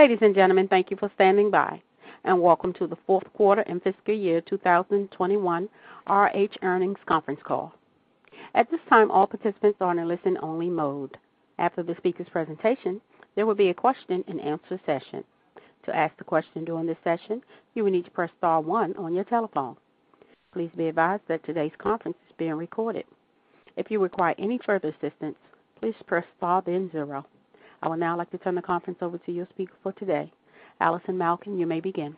Ladies and gentlemen, thank you for standing by, and welcome to the fourth quarter and fiscal year 2021 RH Earnings Conference Call. At this time, all participants are in listen only mode. After the speaker's presentation, there will be a question-and-answer session. To ask the question during this session, you will need to press star one on your telephone. Please be advised that today's conference is being recorded. If you require any further assistance, please press star then zero. I would now like to turn the conference over to your speaker for today. Allison Malkin, you may begin.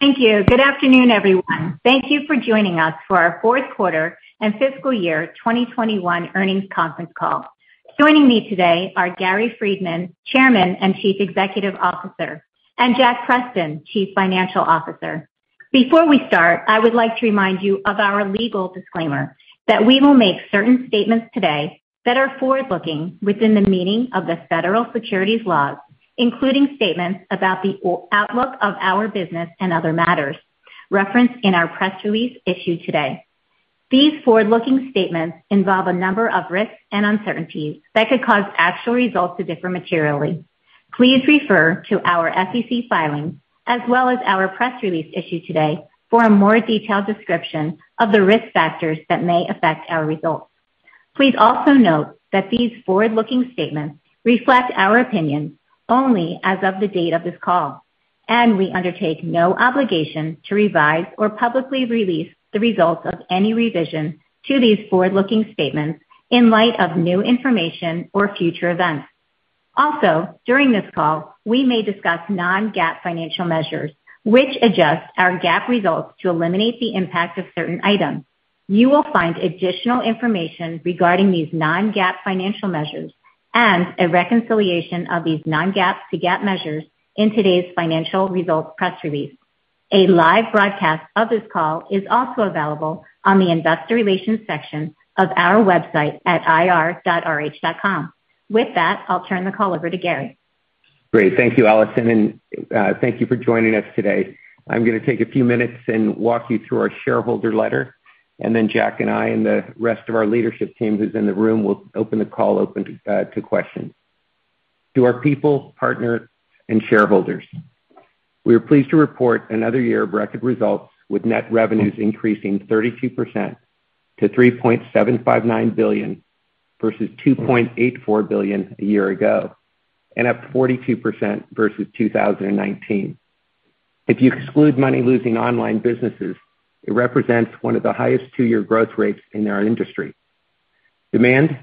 Thank you. Good afternoon, everyone. Thank you for joining us for our fourth quarter and fiscal year 2021 earnings conference call. Joining me today are Gary Friedman, Chairman and Chief Executive Officer, and Jack Preston, Chief Financial Officer. Before we start, I would like to remind you of our legal disclaimer that we will make certain statements today that are forward-looking within the meaning of the federal securities laws, including statements about the outlook of our business and other matters referenced in our press release issued today. These forward-looking statements involve a number of risks and uncertainties that could cause actual results to differ materially. Please refer to our SEC filings as well as our press release issued today for a more detailed description of the risk factors that may affect our results. Please also note that these forward-looking statements reflect our opinion only as of the date of this call, and we undertake no obligation to revise or publicly release the results of any revision to these forward-looking statements in light of new information or future events. Also, during this call, we may discuss non-GAAP financial measures which adjust our GAAP results to eliminate the impact of certain items. You will find additional information regarding these non-GAAP financial measures and a reconciliation of these non-GAAP to GAAP measures in today's financial results press release. A live broadcast of this call is also available on the investor relations section of our website at ir.rh.com. With that, I'll turn the call over to Gary. Great. Thank you, Allison, and thank you for joining us today. I'm gonna take a few minutes and walk you through our shareholder letter, and then Jack and I and the rest of our leadership team who's in the room will open the call to questions. To our people, partners, and shareholders, we are pleased to report another year of record results with net revenues increasing 32% to $3.759 billion, versus $2.84 billion a year ago, and up 42% versus 2019. If you exclude money-losing online businesses, it represents one of the highest two-year growth rates in our industry. Demand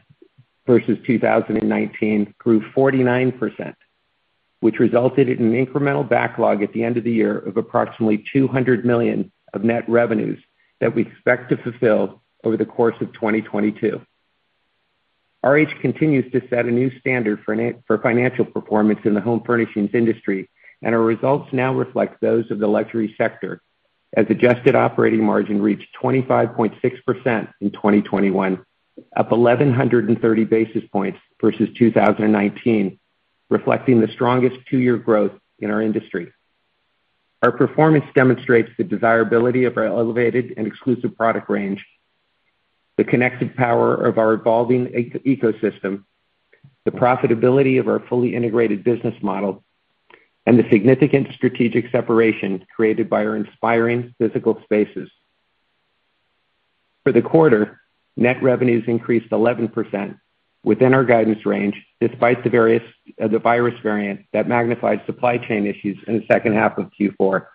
versus 2019 grew 49%, which resulted in an incremental backlog at the end of the year of approximately $200 million of net revenues that we expect to fulfill over the course of 2022. RH continues to set a new standard for non-GAAP financial performance in the home furnishings industry, and our results now reflect those of the luxury sector as adjusted operating margin reached 25.6% in 2021, up 1,130 basis points versus 2019, reflecting the strongest two-year growth in our industry. Our performance demonstrates the desirability of our elevated and exclusive product range, the connected power of our evolving ecosystem, the profitability of our fully integrated business model, and the significant strategic separation created by our inspiring physical spaces. For the quarter, net revenues increased 11% within our guidance range despite the various, the virus variant that magnified supply chain issues in the second half of Q4.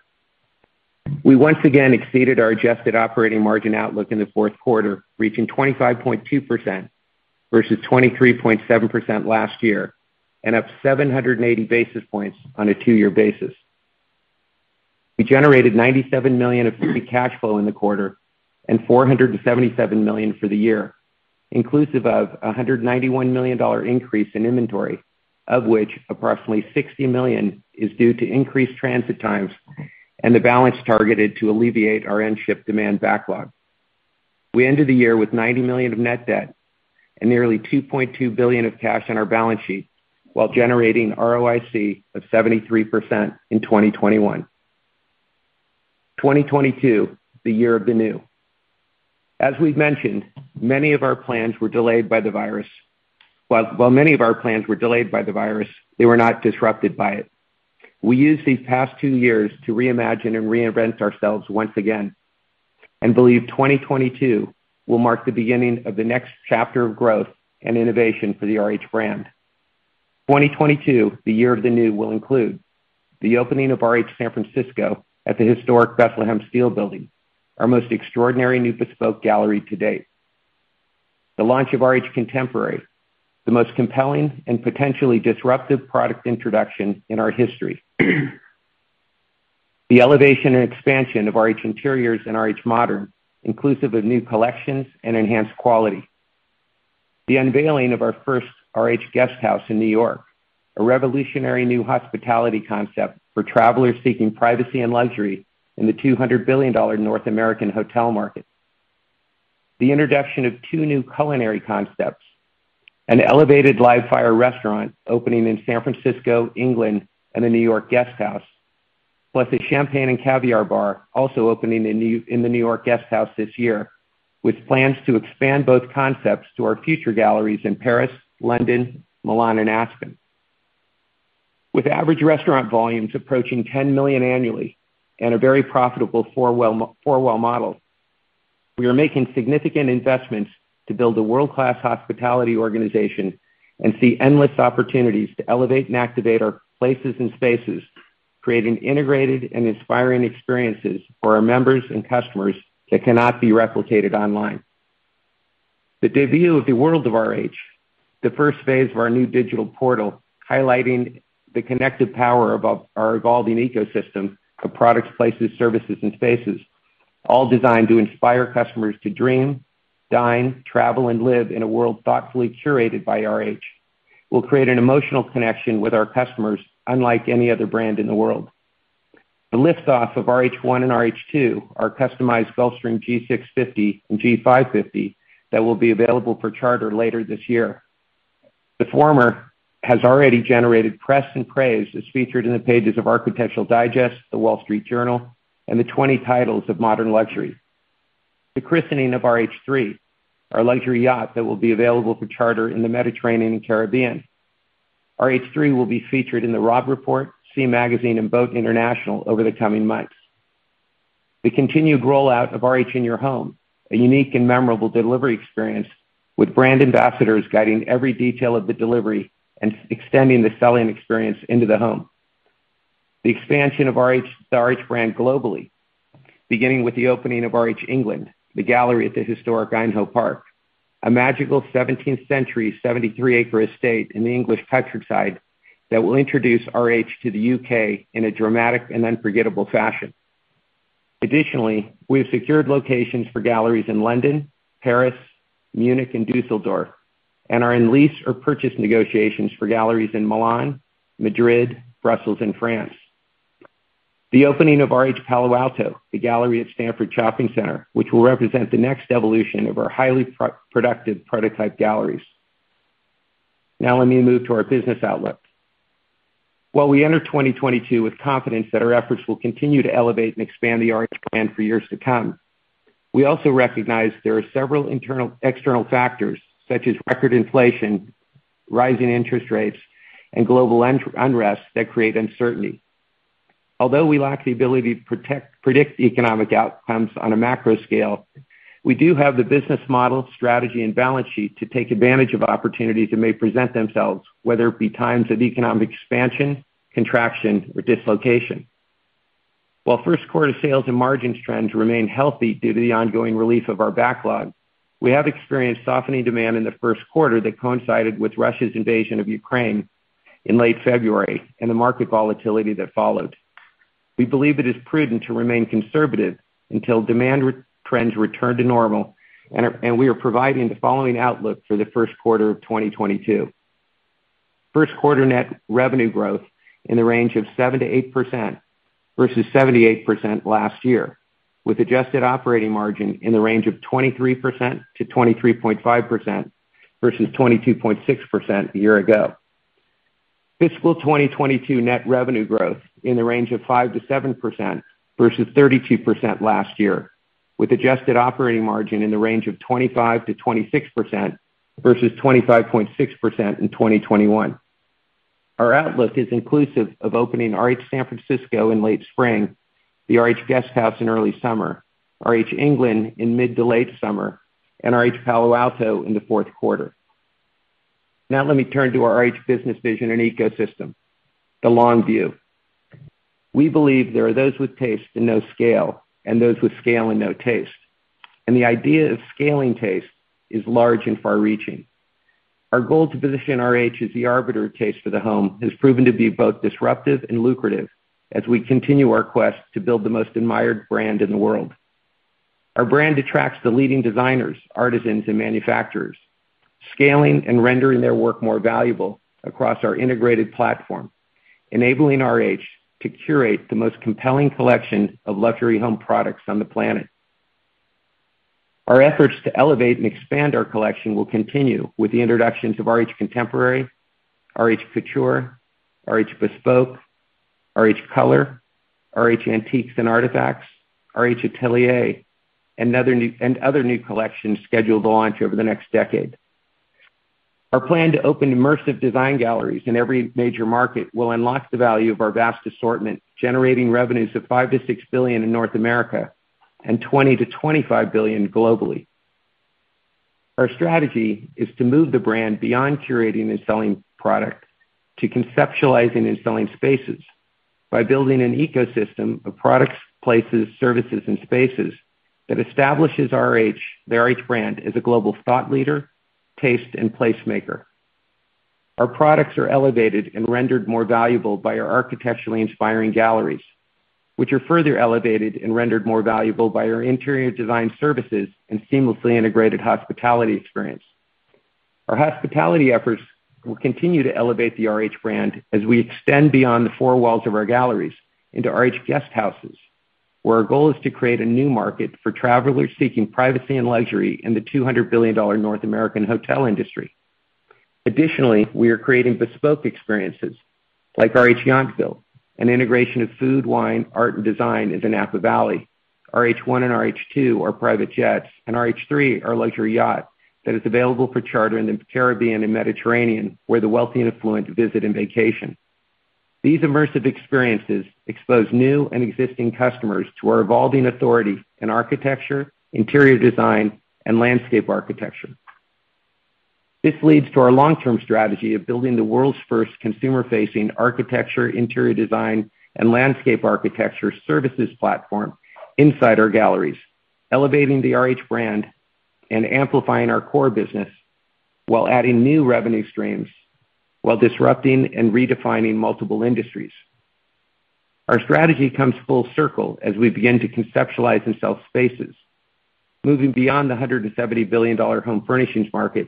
We once again exceeded our adjusted operating margin outlook in the fourth quarter, reaching 25.2% versus 23.7% last year, and up 780 basis points on a two-year basis. We generated $97 million of free cash flow in the quarter and $477 million for the year, inclusive of a $191 million increase in inventory, of which approximately $60 million is due to increased transit times and the balance targeted to alleviate our in-stock demand backlog. We ended the year with $90 million of net debt and nearly $2.2 billion of cash on our balance sheet while generating ROIC of 73% in 2021. 2022, the year of the new. As we've mentioned, many of our plans were delayed by the virus. While many of our plans were delayed by the virus, they were not disrupted by it. We used these past two years to reimagine and reinvent ourselves once again and believe 2022 will mark the beginning of the next chapter of growth and innovation for the RH brand. 2022, the year of the new, will include the opening of RH San Francisco at the Historic Bethlehem Steel Building, our most extraordinary new Bespoke Gallery to date. The launch of RH Contemporary, the most compelling and potentially disruptive product introduction in our history. The elevation and expansion of RH Interiors and RH Modern, inclusive of new collections and enhanced quality. The unveiling of our first RH Guesthouse in New York, a revolutionary new hospitality concept for travelers seeking privacy and luxury in the $200 billion North American hotel market. The introduction of two new culinary concepts, an elevated Live Fire restaurant opening in San Francisco, Aspen, and the New York Guesthouse, plus a Champagne & Caviar Bar also opening in the New York Guesthouse this year, with plans to expand both concepts to our future galleries in Paris, London, Milan and Aspen. With average restaurant volumes approaching $10 million annually and a very profitable four-wall model, we are making significant investments to build a world-class hospitality organization and see endless opportunities to elevate and activate our places and spaces, creating integrated and inspiring experiences for our members and customers that cannot be replicated online. The debut of The World of RH, the first phase of our new digital portal, highlighting the connective power of our evolving ecosystem of products, places, services and spaces, all designed to inspire customers to dream, dine, travel and live in a world thoughtfully curated by RH, will create an emotional connection with our customers unlike any other brand in the world. The lift-off of RH ONE and RH TWO are customized Gulfstream G650 and G550 that will be available for charter later this year. The former has already generated press and praise as featured in the pages of Architectural Digest, The Wall Street Journal, and the 20 titles of Modern Luxury. The christening of RH THREE, our luxury yacht that will be available for charter in the Mediterranean and Caribbean. RH THREE will be featured in the Robb Report, Sea Magazine and BOAT International over the coming months. The continued rollout of RH In Your Home, a unique and memorable delivery experience with brand ambassadors guiding every detail of the delivery and extending the selling experience into the home. The expansion of the RH brand globally, beginning with the opening of RH England, the Gallery at the Historic Aynhoe Park, a magical 17th century 73-acre estate in the English countryside that will introduce RH to the U.K. in a dramatic and unforgettable fashion. Additionally, we have secured locations for galleries in London, Paris, Munich and Düsseldorf and are in lease or purchase negotiations for galleries in Milan, Madrid, Brussels and France. The opening of RH Palo Alto, the Gallery at Stanford Shopping Center, which will represent the next evolution of our highly productive prototype galleries. Now let me move to our business outlook. While we enter 2022 with confidence that our efforts will continue to elevate and expand the RH brand for years to come, we also recognize there are several external factors such as record inflation, rising interest rates and global unrest that create uncertainty. Although we lack the ability to predict economic outcomes on a macro scale, we do have the business model, strategy and balance sheet to take advantage of opportunities that may present themselves, whether it be times of economic expansion, contraction or dislocation. While first quarter sales and margins trends remain healthy due to the ongoing relief of our backlog, we have experienced softening demand in the first quarter that coincided with Russia's invasion of Ukraine in late February and the market volatility that followed. We believe it is prudent to remain conservative until demand trends return to normal, and we are providing the following outlook for the first quarter of 2022. First quarter net revenue growth in the range of 7%-8% versus 78% last year, with adjusted operating margin in the range of 23%-23.5% versus 22.6% a year ago. Fiscal 2022 net revenue growth in the range of 5%-7% versus 32% last year, with adjusted operating margin in the range of 25%-26% versus 25.6% in 2021. Our outlook is inclusive of opening RH San Francisco in late spring, the RH Guesthouse in early summer, RH England in mid to late summer, and RH Palo Alto in the fourth quarter. Now let me turn to our RH business vision and ecosystem, the long view. We believe there are those with taste and no scale, and those with scale and no taste, and the idea of scaling taste is large and far-reaching. Our goal to position RH as the arbiter of taste for the home has proven to be both disruptive and lucrative as we continue our quest to build the most admired brand in the world. Our brand attracts the leading designers, artisans and manufacturers, scaling and rendering their work more valuable across our integrated platform, enabling RH to curate the most compelling collection of luxury home products on the planet. Our efforts to elevate and expand our collection will continue with the introductions of RH Contemporary, RH Couture, RH Bespoke, RH Color, RH Antiques & Artifacts, RH Atelier, and other new collections scheduled to launch over the next decade. Our plan to open immersive design galleries in every major market will unlock the value of our vast assortment, generating revenues of $5 billion-$6 billion in North America and $20 billion-$25 billion globally. Our strategy is to move the brand beyond curating and selling product to conceptualizing and selling spaces by building an ecosystem of products, places, services and spaces that establishes RH, the RH brand as a global thought leader, taste and placemaker. Our products are elevated and rendered more valuable by our architecturally inspiring galleries, which are further elevated and rendered more valuable by our interior design services and seamlessly integrated hospitality experience. Our hospitality efforts will continue to elevate the RH brand as we extend beyond the four walls of our galleries into RH Guesthouses, where our goal is to create a new market for travelers seeking privacy and luxury in the $200 billion North American hotel industry. Additionally, we are creating Bespoke experiences like RH Yountville, an integration of food, wine, art, and design into Napa Valley. RH ONE and RH TWO are private jets, and RH THREE are a luxury yacht that is available for charter in the Caribbean and Mediterranean, where the wealthy and affluent visit and vacation. These immersive experiences expose new and existing customers to our evolving authority in architecture, interior design, and landscape architecture. This leads to our long-term strategy of building the world's first consumer-facing architecture, interior design, and landscape architecture services platform inside our galleries, elevating the RH brand and amplifying our core business while adding new revenue streams, while disrupting and redefining multiple industries. Our strategy comes full circle as we begin to conceptualize and sell spaces, moving beyond the $170 billion home furnishings market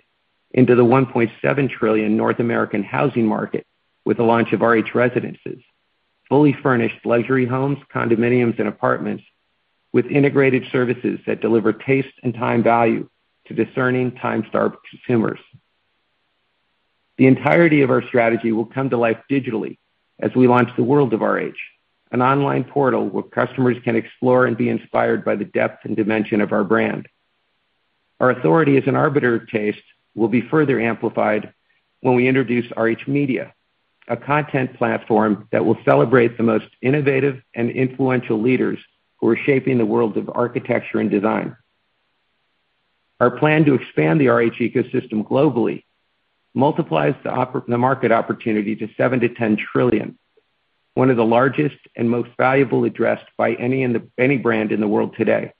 into the $1.7 trillion North American housing market with the launch of RH Residences, fully furnished luxury homes, condominiums, and apartments with integrated services that deliver taste and time value to discerning, time-starved consumers. The entirety of our strategy will come to life digitally as we launch The World of RH, an online portal where customers can explore and be inspired by the depth and dimension of our brand. Our authority as an arbiter of taste will be further amplified when we introduce RH Media, a content platform that will celebrate the most innovative and influential leaders who are shaping the world of architecture and design. Our plan to expand the RH ecosystem globally multiplies the market opportunity to $7 trillion-$10 trillion, one of the largest and most valuable addressed by any brand in the world today.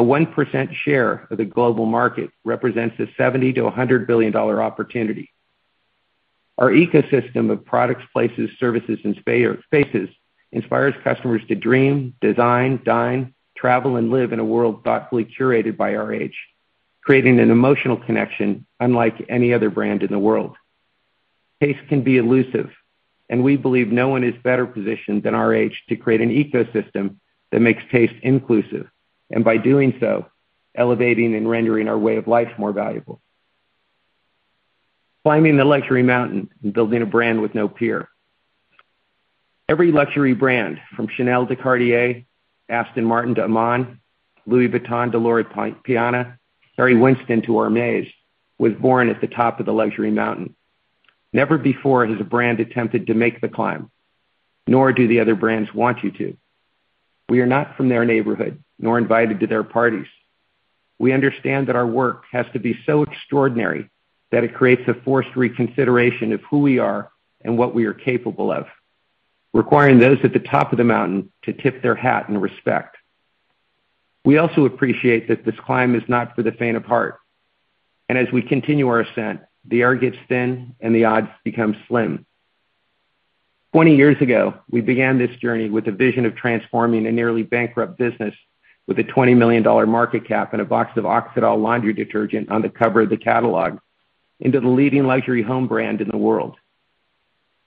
A 1% share of the global market represents a $70 billion-$100 billion opportunity. Our ecosystem of products, places, services, and spaces inspires customers to dream, design, dine, travel, and live in a world thoughtfully curated by RH, creating an emotional connection unlike any other brand in the world. Taste can be elusive, and we believe no one is better positioned than RH to create an ecosystem that makes taste inclusive, and by doing so, elevating and rendering our way of life more valuable. Climbing the luxury mountain and building a brand with no peer. Every luxury brand, from Chanel to Cartier, Aston Martin to Aman, Louis Vuitton to Loro Piana, Harry Winston to Hermès, was born at the top of the luxury mountain. Never before has a brand attempted to make the climb, nor do the other brands want you to. We are not from their neighborhood, nor invited to their parties. We understand that our work has to be so extraordinary that it creates a forced reconsideration of who we are and what we are capable of, requiring those at the top of the mountain to tip their hat in respect. We also appreciate that this climb is not for the faint of heart. As we continue our ascent, the air gets thin, and the odds become slim. 20 years ago, we began this journey with a vision of transforming a nearly bankrupt business with a $20 million market cap and a box of Oxydol laundry detergent on the cover of the catalog into the leading luxury home brand in the world.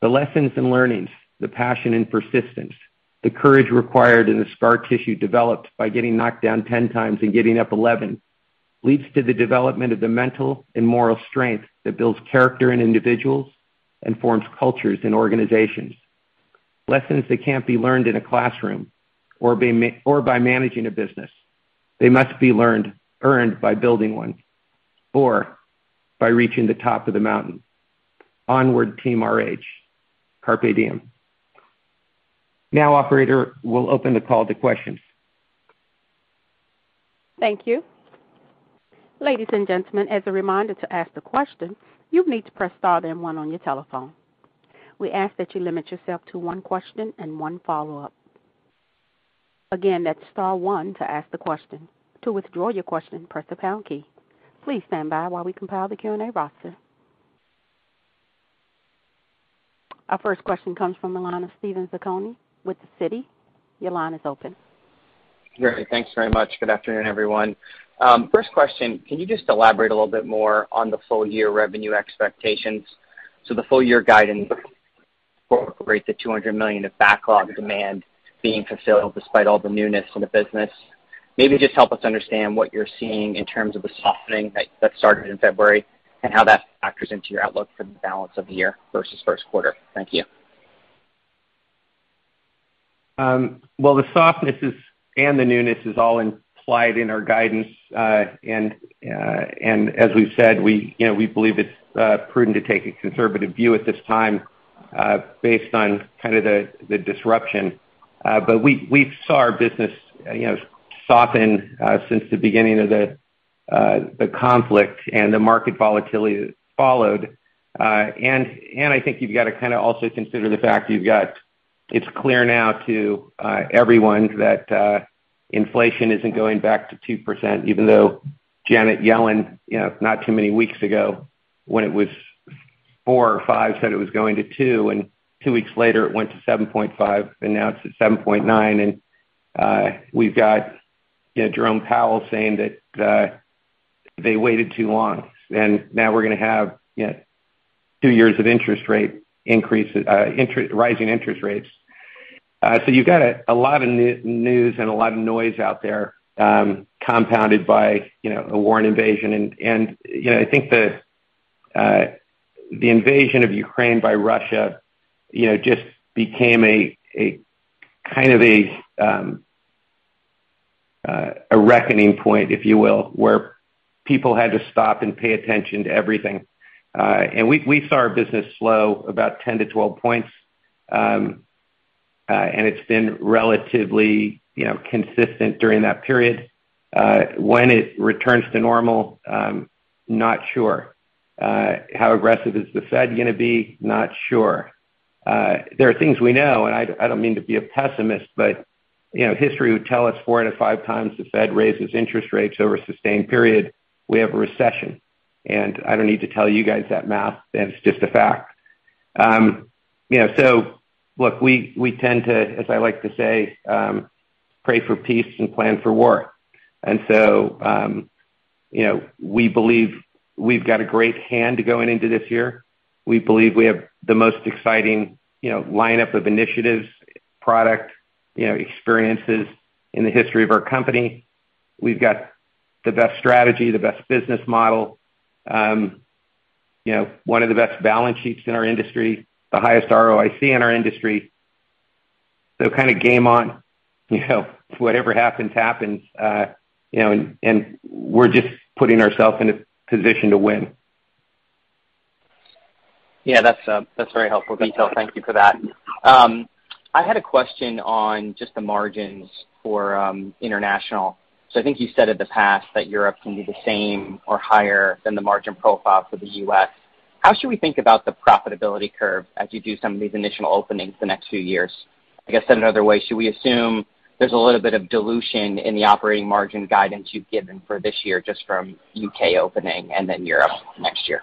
The lessons and learnings, the passion and persistence, the courage required, and the scar tissue developed by getting knocked down 10 times and getting up 11 leads to the development of the mental and moral strength that builds character in individuals and forms cultures in organizations. Lessons that can't be learned in a classroom or by managing a business. They must be learned, earned by building one or by reaching the top of the mountain. Onward, Team RH. Carpe diem. Now, operator, we'll open the call to questions. Thank you. Ladies and gentlemen, as a reminder to ask the question, you need to press star then one on your telephone. We ask that you limit yourself to one question and one follow-up. Again, that's star one to ask the question. To withdraw your question, press the pound key. Please stand by while we compile the Q&A roster. Our first question comes from the line of Steven Zaccone with Citi. Your line is open. Great. Thanks very much. Good afternoon, everyone. First question, can you just elaborate a little bit more on the full year revenue expectations? The full year guidance incorporate the $200 million of backlog demand being fulfilled despite all the newness in the business. Maybe just help us understand what you're seeing in terms of the softening that started in February and how that factors into your outlook for the balance of the year versus first quarter. Thank you. Well, the softness is, and the newness is all implied in our guidance. As we've said, we, you know, we believe it's prudent to take a conservative view at this time, based on kind of the disruption. We saw our business, you know, soften since the beginning of the conflict and the market volatility that followed. I think you've gotta kinda also consider the fact you've got. It's clear now to everyone that inflation isn't going back to 2%, even though Janet Yellen, you know, not too many weeks ago, when it was 4% or 5%, said it was going to 2%, and two weeks later it went to 7.5%, and now it's at 7.9%. We've got, you know, Jerome Powell saying that they waited too long, and now we're gonna have, you know, two years of interest rate increases, rising interest rates. So you've got a lot of news and a lot of noise out there, compounded by, you know, a war and invasion. I think the invasion of Ukraine by Russia, you know, just became a kind of a reckoning point, if you will, where people had to stop and pay attention to everything. We saw our business slow about 10%-12%. It's been relatively, you know, consistent during that period. When it returns to normal, not sure. How aggressive is the Fed gonna be? Not sure. There are things we know, and I don't mean to be a pessimist, but, you know, history would tell us four out of five times the Fed raises interest rates over a sustained period, we have a recession. I don't need to tell you guys that math, that's just a fact. You know, so look, we tend to, as I like to say, pray for peace and plan for war. You know, we believe we've got a great hand going into this year. We believe we have the most exciting, you know, lineup of initiatives, product, you know, experiences in the history of our company. We've got the best strategy, the best business model, you know, one of the best balance sheets in our industry, the highest ROIC in our industry. Kind of game on, you know, whatever happens, you know, and we're just putting ourselves in a position to win. Yeah, that's very helpful detail. Thank you for that. I had a question on just the margins for international. So I think you said in the past that Europe can be the same or higher than the margin profile for the U.S. How should we think about the profitability curve as you do some of these initial openings the next few years? I guess said another way, should we assume there's a little bit of dilution in the operating margin guidance you've given for this year just from U.K. opening and then Europe next year?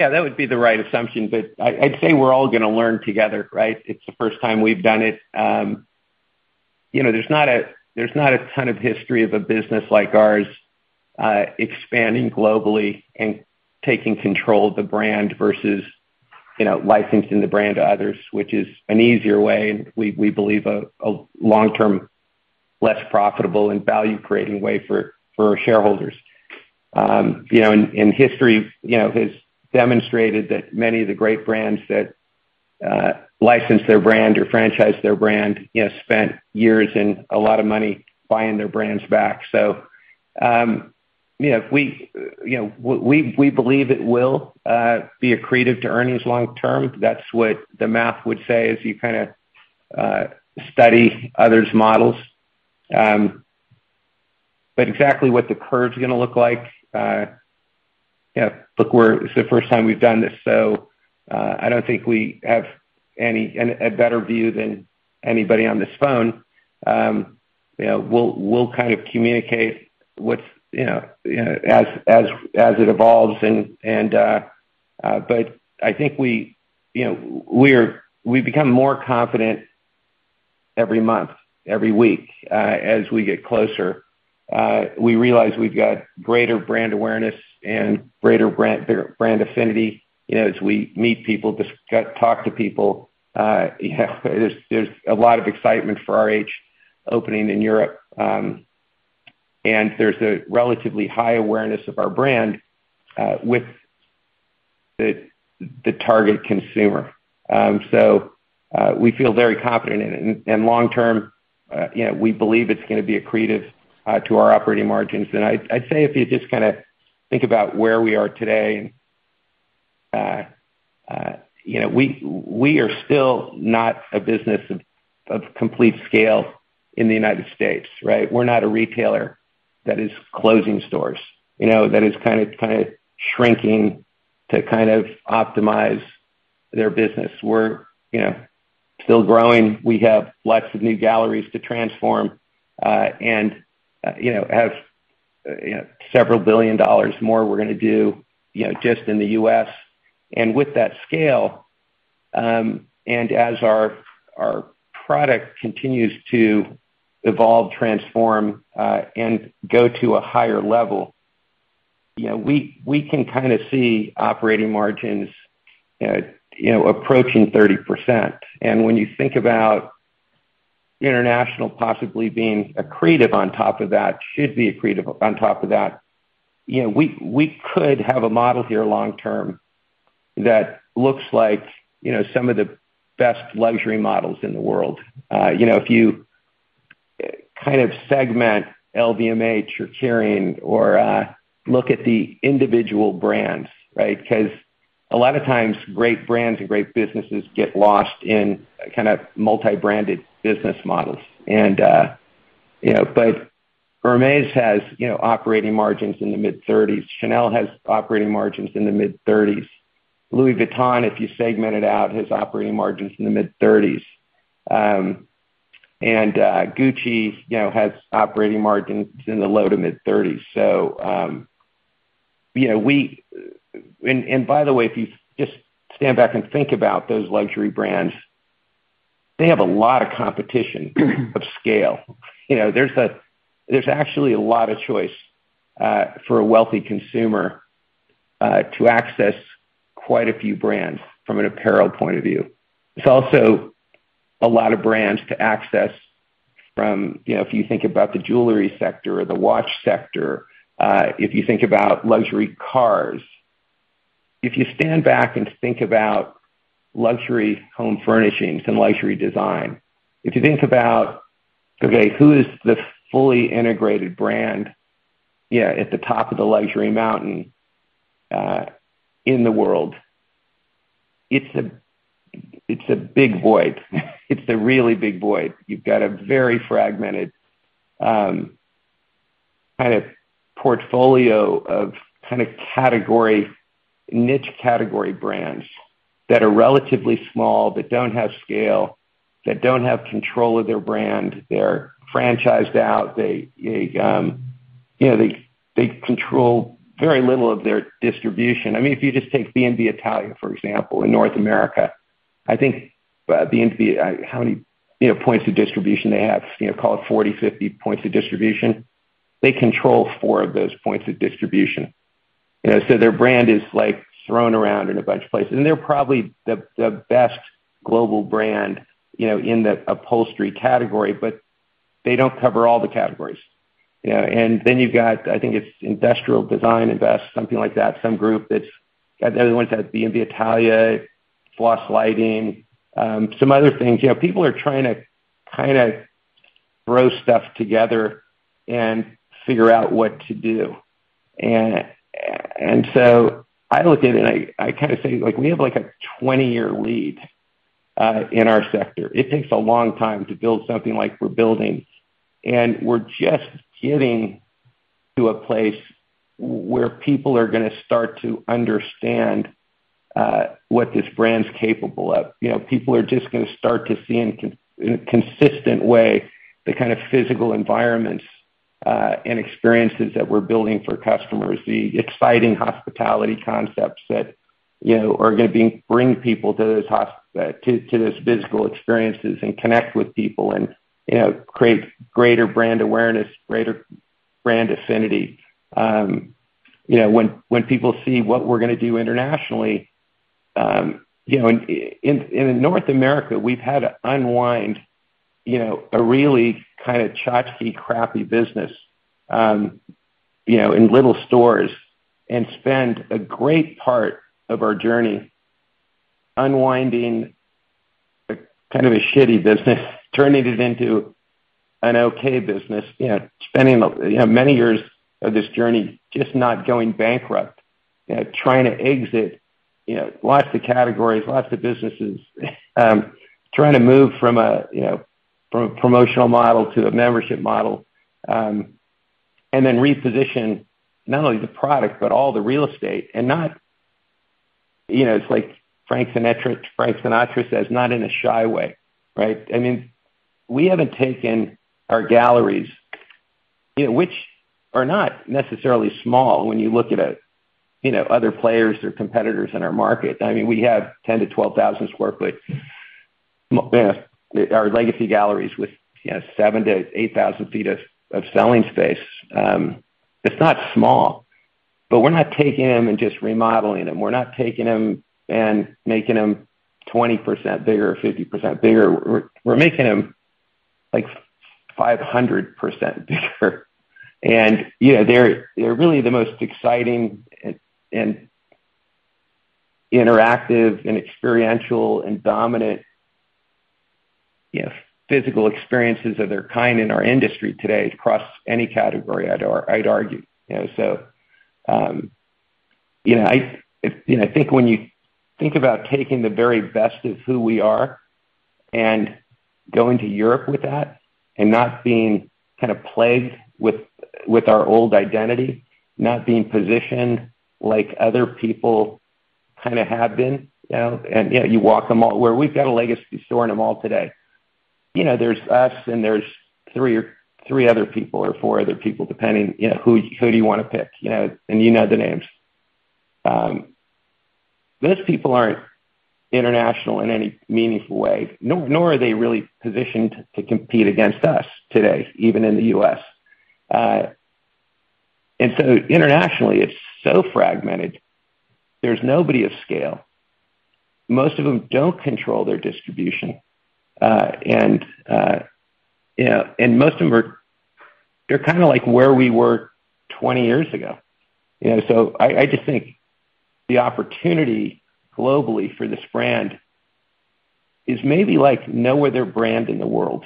Yeah, that would be the right assumption. I'd say we're all gonna learn together, right? It's the first time we've done it. You know, there's not a ton of history of a business like ours expanding globally and taking control of the brand versus, you know, licensing the brand to others, which is an easier way, and we believe a long-term, less profitable and value-creating way for shareholders. History, you know, has demonstrated that many of the great brands that license their brand or franchise their brand, you know, spent years and a lot of money buying their brands back. We believe it will be accretive to earnings long term. That's what the math would say as you kinda study others' models. Exactly what the curve's gonna look like, you know, look, It's the first time we've done this, so, I don't think we have a better view than anybody on this phone. You know, we'll kind of communicate what's, you know, as it evolves and. I think we, you know, we become more confident every month, every week, as we get closer. We realize we've got greater brand awareness and greater brand affinity, you know, as we meet people, talk to people. You know, there's a lot of excitement for RH opening in Europe, and there's a relatively high awareness of our brand, with the target consumer. We feel very confident in it. Long term, you know, we believe it's gonna be accretive to our operating margins. I'd say if you just kinda think about where we are today and, you know, we are still not a business of complete scale in the United States, right? We're not a retailer that is closing stores, you know, that is kinda shrinking to kind of optimize their business. We're, you know, still growing. We have lots of new galleries to transform, and, you know, have, you know, several billion dollars more we're gonna do, you know, just in the U.S. With that scale, and as our product continues to evolve, transform, and go to a higher level, you know, we can kinda see operating margins, you know, approaching 30%. When you think about international possibly being accretive on top of that, should be accretive on top of that, you know, we could have a model here long term that looks like, you know, some of the best luxury models in the world. You know, if you kind of segment LVMH or Kering or look at the individual brands, right? Because a lot of times great brands and great businesses get lost in kind of multi-branded business models and, you know. Hermès has, you know, operating margins in the mid-30s. Chanel has operating margins in the mid-30s. Louis Vuitton, if you segment it out, has operating margins in the mid-30s. And Gucci, you know, has operating margins in the low to mid-30s. You know, we... By the way, if you just stand back and think about those luxury brands, they have a lot of competition of scale. You know, there's actually a lot of choice for a wealthy consumer to access quite a few brands from an apparel point of view. There's also a lot of brands to access from, you know, if you think about the jewelry sector or the watch sector, if you think about luxury cars. If you stand back and think about luxury home furnishings and luxury design, if you think about, okay, who is the fully integrated brand, yeah, at the top of the luxury mountain in the world, it's a big void. It's a really big void. You've got a very fragmented kind of portfolio of kind of niche category brands that are relatively small, that don't have scale, that don't have control of their brand. They're franchised out. They you know, they control very little of their distribution. I mean, if you just take B&B Italia, for example, in North America, I think B&B. How many, you know, points of distribution they have? You know, call it 40, 50 points of distribution. They control 4 of those points of distribution. You know, so their brand is, like, thrown around in a bunch of places. They're probably the best global brand, you know, in the upholstery category, but they don't cover all the categories, you know. Then you've got, I think it's Design Holding, something like that, some group that's. The other ones have B&B Italia, Flos lighting, some other things. You know, people are trying to kinda throw stuff together and figure out what to do. I look at it and I kind of say, like, we have like a 20-year lead in our sector. It takes a long time to build something like we're building, and we're just getting to a place where people are gonna start to understand what this brand's capable of. You know, people are just gonna start to see in a consistent way, the kind of physical environments and experiences that we're building for customers, the exciting hospitality concepts that, you know, are gonna bring people to those physical experiences and connect with people and, you know, create greater brand awareness, greater brand affinity. You know, when people see what we're gonna do internationally. You know, in North America, we've had to unwind a really kind of tchotchke crappy business, you know, in little stores, and spend a great part of our journey unwinding a kind of a shitty business, turning it into an okay business. You know, spending many years of this journey just not going bankrupt. You know, trying to exit lots of categories, lots of businesses. Trying to move from a promotional model to a membership model, and then reposition not only the product but all the real estate. You know, it's like Frank Sinatra says, "Not in a shy way," right? I mean, we haven't taken our galleries, you know, which are not necessarily small when you look at, you know, other players or competitors in our market. I mean, we have 10,000-12,000 sq ft. You know, our legacy galleries with, you know, 7,000-8,000 sq ft of selling space. It's not small. But we're not taking them and just remodeling them. We're not taking them and making them 20% bigger or 50% bigger. We're making them like 500% bigger. And, you know, they're really the most exciting and interactive and experiential and dominant, you know, physical experiences of their kind in our industry today across any category, I'd argue. You know, so, I... You know, I think when you think about taking the very best of who we are and going to Europe with that and not being kind of plagued with our old identity, not being positioned like other people kinda have been, you know. You know, you walk the mall where we've got a legacy store in a mall today. You know, there's us and there's three or four other people, depending, you know, who do you wanna pick, you know, and you know the names. Those people aren't international in any meaningful way, nor are they really positioned to compete against us today, even in the U.S. Internationally, it's so fragmented. There's nobody of scale. Most of them don't control their distribution, and most of them are... They're kinda like where we were 20 years ago. You know, I just think the opportunity globally for this brand is maybe like no other brand in the world.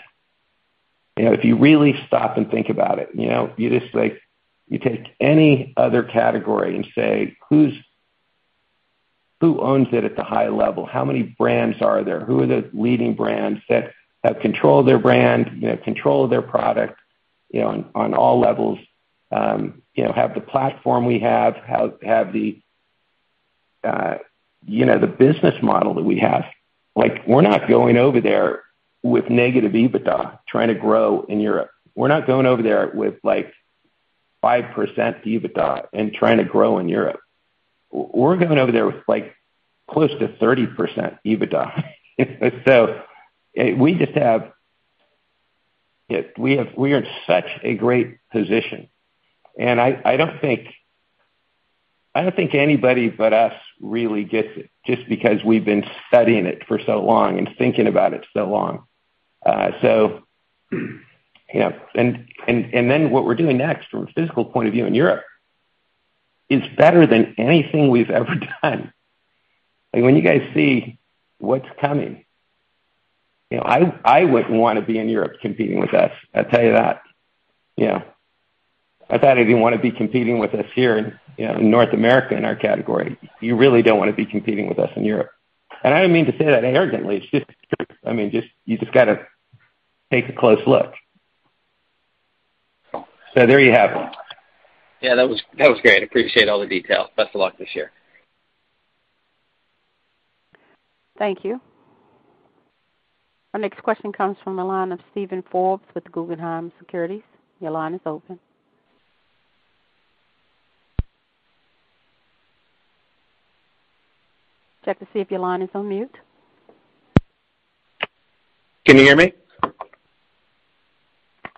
You know, if you really stop and think about it, you know, you just like, you take any other category and say, "Who owns it at the high level? How many brands are there? Who are the leading brands that have control of their brand, you know, control of their product, you know, on all levels? You know, have the platform we have. Have the, you know, the business model that we have." Like, we're not going over there with negative EBITDA trying to grow in Europe. We're not going over there with like 5% EBITDA and trying to grow in Europe. We're going over there with like close to 30% EBITDA. We are in such a great position, and I don't think anybody but us really gets it just because we've been studying it for so long and thinking about it so long. You know, and then what we're doing next from a physical point of view in Europe is better than anything we've ever done. When you guys see what's coming, you know, I wouldn't wanna be in Europe competing with us, I'll tell you that. You know. I thought I didn't wanna be competing with us here in, you know, North America in our category. You really don't wanna be competing with us in Europe. I don't mean to say that arrogantly, it's just true. I mean, you just gotta take a close look. There you have it. Yeah, that was great. Appreciate all the details. Best of luck this year. Thank you. Our next question comes from the line of Steven Forbes with Guggenheim Securities. Your line is open. Check to see if your line is on mute. Can you hear me?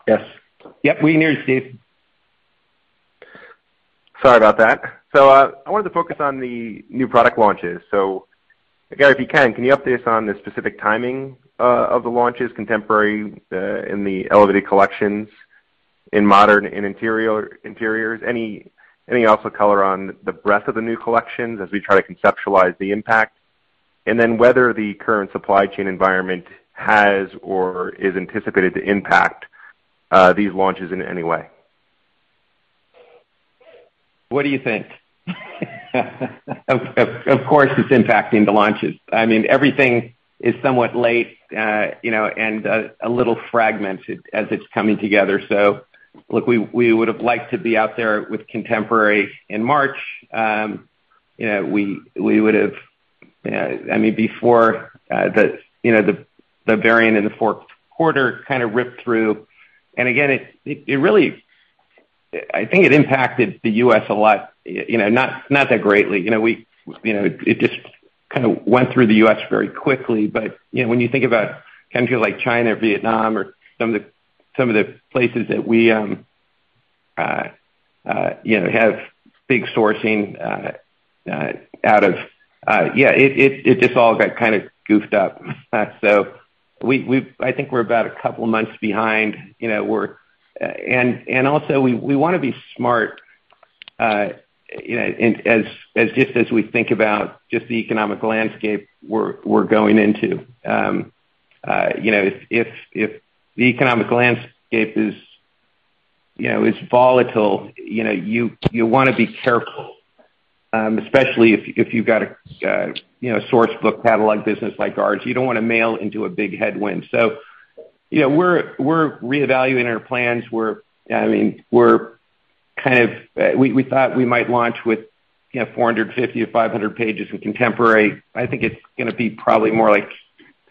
Yes. Yep, we can hear you, Steve. Sorry about that. I wanted to focus on the new product launches. Gary, if you can you update us on the specific timing of the launches, Contemporary, and the elevated collections in Modern and Interiors? Anything else of color on the breadth of the new collections as we try to conceptualize the impact? Whether the current supply chain environment has or is anticipated to impact these launches in any way. What do you think? Of course, it's impacting the launches. I mean, everything is somewhat late, you know, and a little fragmented as it's coming together. Look, we would have liked to be out there with Contemporary in March, before, you know, the variant in the fourth quarter kinda ripped through. Again, it really impacted the U.S. a lot, you know, not that greatly. You know, it just kinda went through the U.S. very quickly. You know, when you think about countries like China, Vietnam, or some of the places that we have big sourcing out of, yeah, it just all got kinda goofed up. I think we're about a couple of months behind. You know, and also we wanna be smart, you know, and as we think about just the economic landscape we're going into. You know, if the economic landscape is volatile, you know, you wanna be careful, especially if you've got a Sourcebook catalog business like ours. You don't wanna mail into a big headwind. You know, we're reevaluating our plans. I mean, we thought we might launch with, you know, 450-500 pages in Contemporary. I think it's gonna be probably more like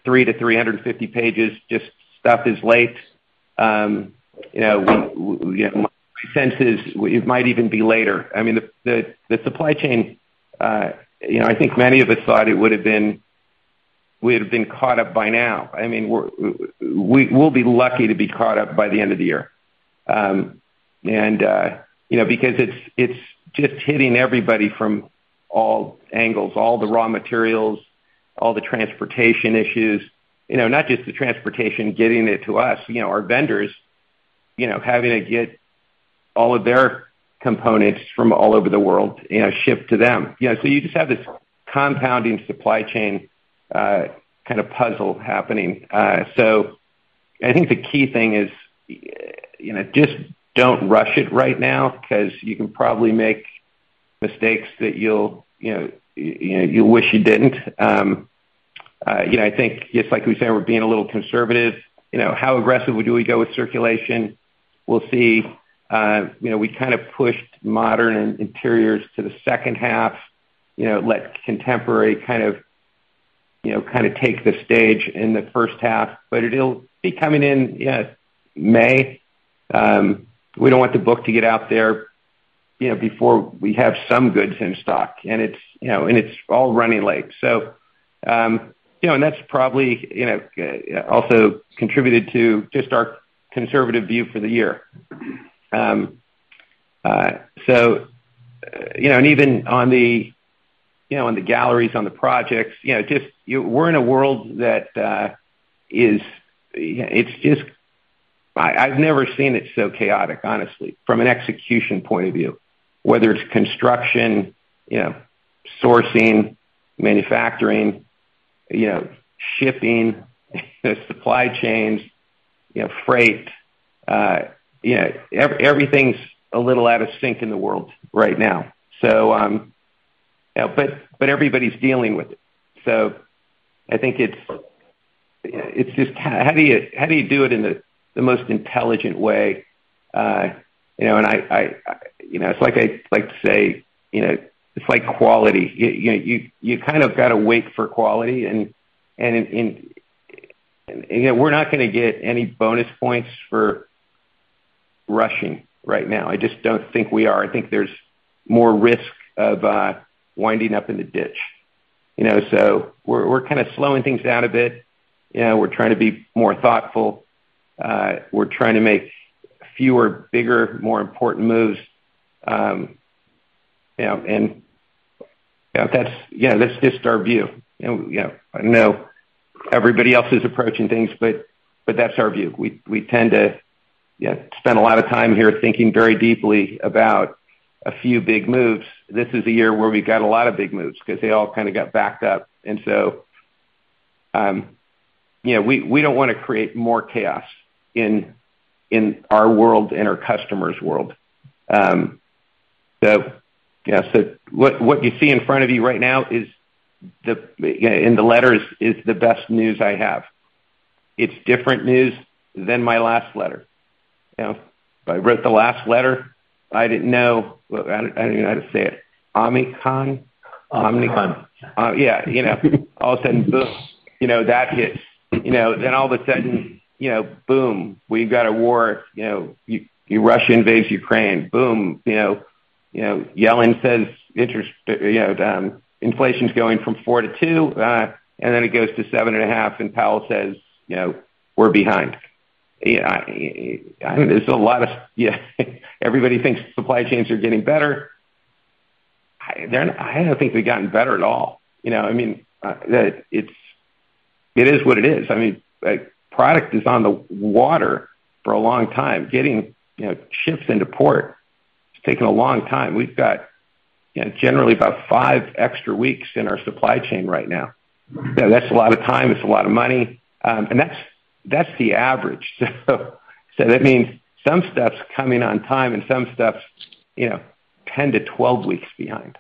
300-350 pages. Just stuff is late. You know, my sense is it might even be later. I mean, the supply chain, you know, I think many of us thought we would have been caught up by now. I mean, we'll be lucky to be caught up by the end of the year. You know, because it's just hitting everybody from all angles, all the raw materials, all the transportation issues. You know, not just the transportation getting it to us, you know, our vendors, you know, having to get all of their components from all over the world, you know, shipped to them. You know, so you just have this compounding supply chain, kinda puzzle happening. I think the key thing is, you know, just don't rush it right now 'cause you can probably make mistakes that you'll wish you didn't. I think just like we said, we're being a little conservative. You know, how aggressive do we go with circulation? We'll see. You know, we kind of pushed Modern, Interiors to the second half, let Contemporary kind of take the stage in the first half. It'll be coming in, yeah, May. We don't want the book to get out there, you know, before we have some goods in stock. It's all running late. That's probably also contributed to our conservative view for the year. You know, even on the galleries, you know, on the projects, you know. We're in a world that I've never seen it so chaotic, honestly, from an execution point of view. Whether it's construction, you know, sourcing, manufacturing, you know, shipping, the supply chains, you know, freight. You know, everything's a little out of sync in the world right now. You know, but everybody's dealing with it. I think it's just how do you do it in the most intelligent way. You know, it's like I like to say, you know, it's like quality. You kind of gotta wait for quality and. You know, we're not gonna get any bonus points for rushing right now. I just don't think we are. I think there's more risk of winding up in the ditch, you know. We're kinda slowing things down a bit. You know, we're trying to be more thoughtful. We're trying to make fewer, bigger, more important moves. You know, and that's, you know, that's just our view. You know, I know everybody else is approaching things, but that's our view. We tend to, you know, spend a lot of time here thinking very deeply about a few big moves. This is a year where we got a lot of big moves because they all kinda got backed up. You know, we don't wanna create more chaos in our world and our customers' world. Yeah, what you see in front of you right now is, in the letter, the best news I have. It's different news than my last letter. You know, if I wrote the last letter, I didn't know. I don't even know how to say it. Omicron? Omicron. Yeah, you know, all of a sudden, boom, that hits. Then all of a sudden, boom, we've got a war. Russia invades Ukraine. Boom. Yellen says inflation's going from 4% to 2%, and then it goes to 7.5%, and Powell says, you know, we're behind. I mean, there's a lot. Yeah. Everybody thinks supply chains are getting better. I don't think they've gotten better at all. You know, I mean, it is what it is. I mean, like, product is on the water for a long time. Getting ships into port, it's taking a long time. We've got, you know, generally about five extra weeks in our supply chain right now. You know, that's a lot of time, it's a lot of money, and that's the average. So that means some stuff's coming on time and some stuff's, you know, 10-12 weeks behind.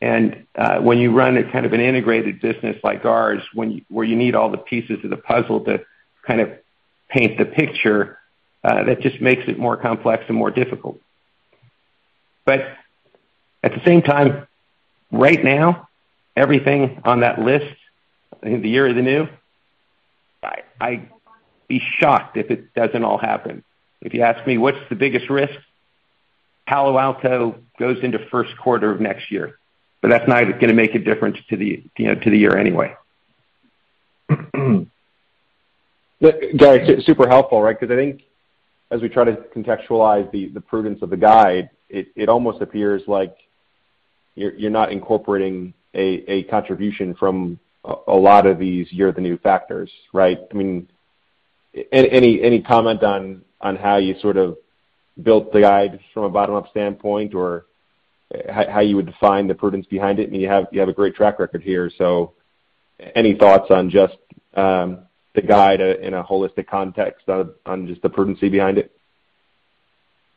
When you run a kind of an integrated business like ours, where you need all the pieces of the puzzle to kind of paint the picture, that just makes it more complex and more difficult. But at the same time, right now, everything on that list, in the year of the new, I'd be shocked if it doesn't all happen. If you ask me what's the biggest risk, Palo Alto goes into first quarter of next year, but that's not gonna make a difference to the, you know, to the year anyway. Gary, super helpful, right? 'Cause I think as we try to contextualize the prudence of the guide, it almost appears like you're not incorporating a contribution from a lot of these year-of-the-new factors, right? I mean, any comment on how you sort of built the guide from a bottom-up standpoint or how you would define the prudence behind it? I mean, you have a great track record here. Any thoughts on just the guide in a holistic context on just the prudence behind it?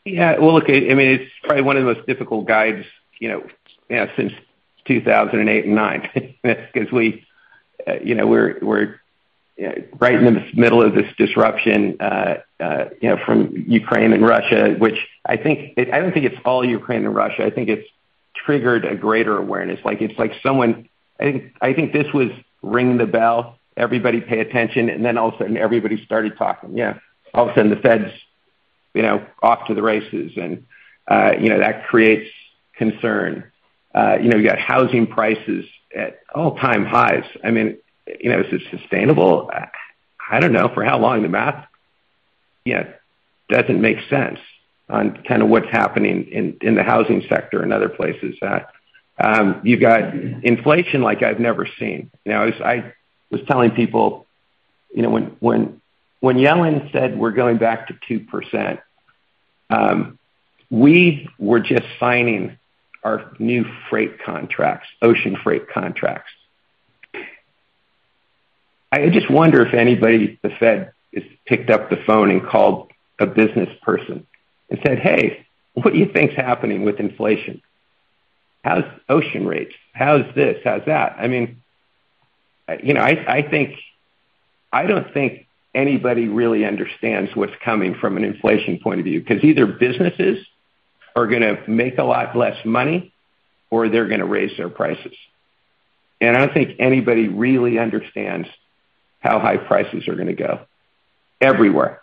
Yeah. Well, look, I mean, it's probably one of the most difficult guides, you know, since 2008 and 2009 because we, you know, we're, you know, right in the middle of this disruption, you know, from Ukraine and Russia, which I think I don't think it's all Ukraine and Russia. I think it's triggered a greater awareness. Like, it's like someone I think this was rang the bell, everybody pay attention, and then all of a sudden everybody started talking. Yeah. All of a sudden the Fed's, you know, off to the races and, you know, that creates concern. You know, you got housing prices at all-time highs. I mean, you know, is it sustainable? I don't know for how long. The math, you know, doesn't make sense on kinda what's happening in the housing sector and other places. You've got inflation like I've never seen. You know, as I was telling people, you know, when Yellen said we're going back to 2%, we were just signing our new freight contracts, ocean freight contracts. I just wonder if anybody at the Fed has picked up the phone and called a business person and said, "Hey, what do you think is happening with inflation? How's ocean rates? How's this? How's that?" I mean, you know, I think I don't think anybody really understands what's coming from an inflation point of view, 'cause either businesses are gonna make a lot less money or they're gonna raise their prices. I don't think anybody really understands how high prices are gonna go everywhere,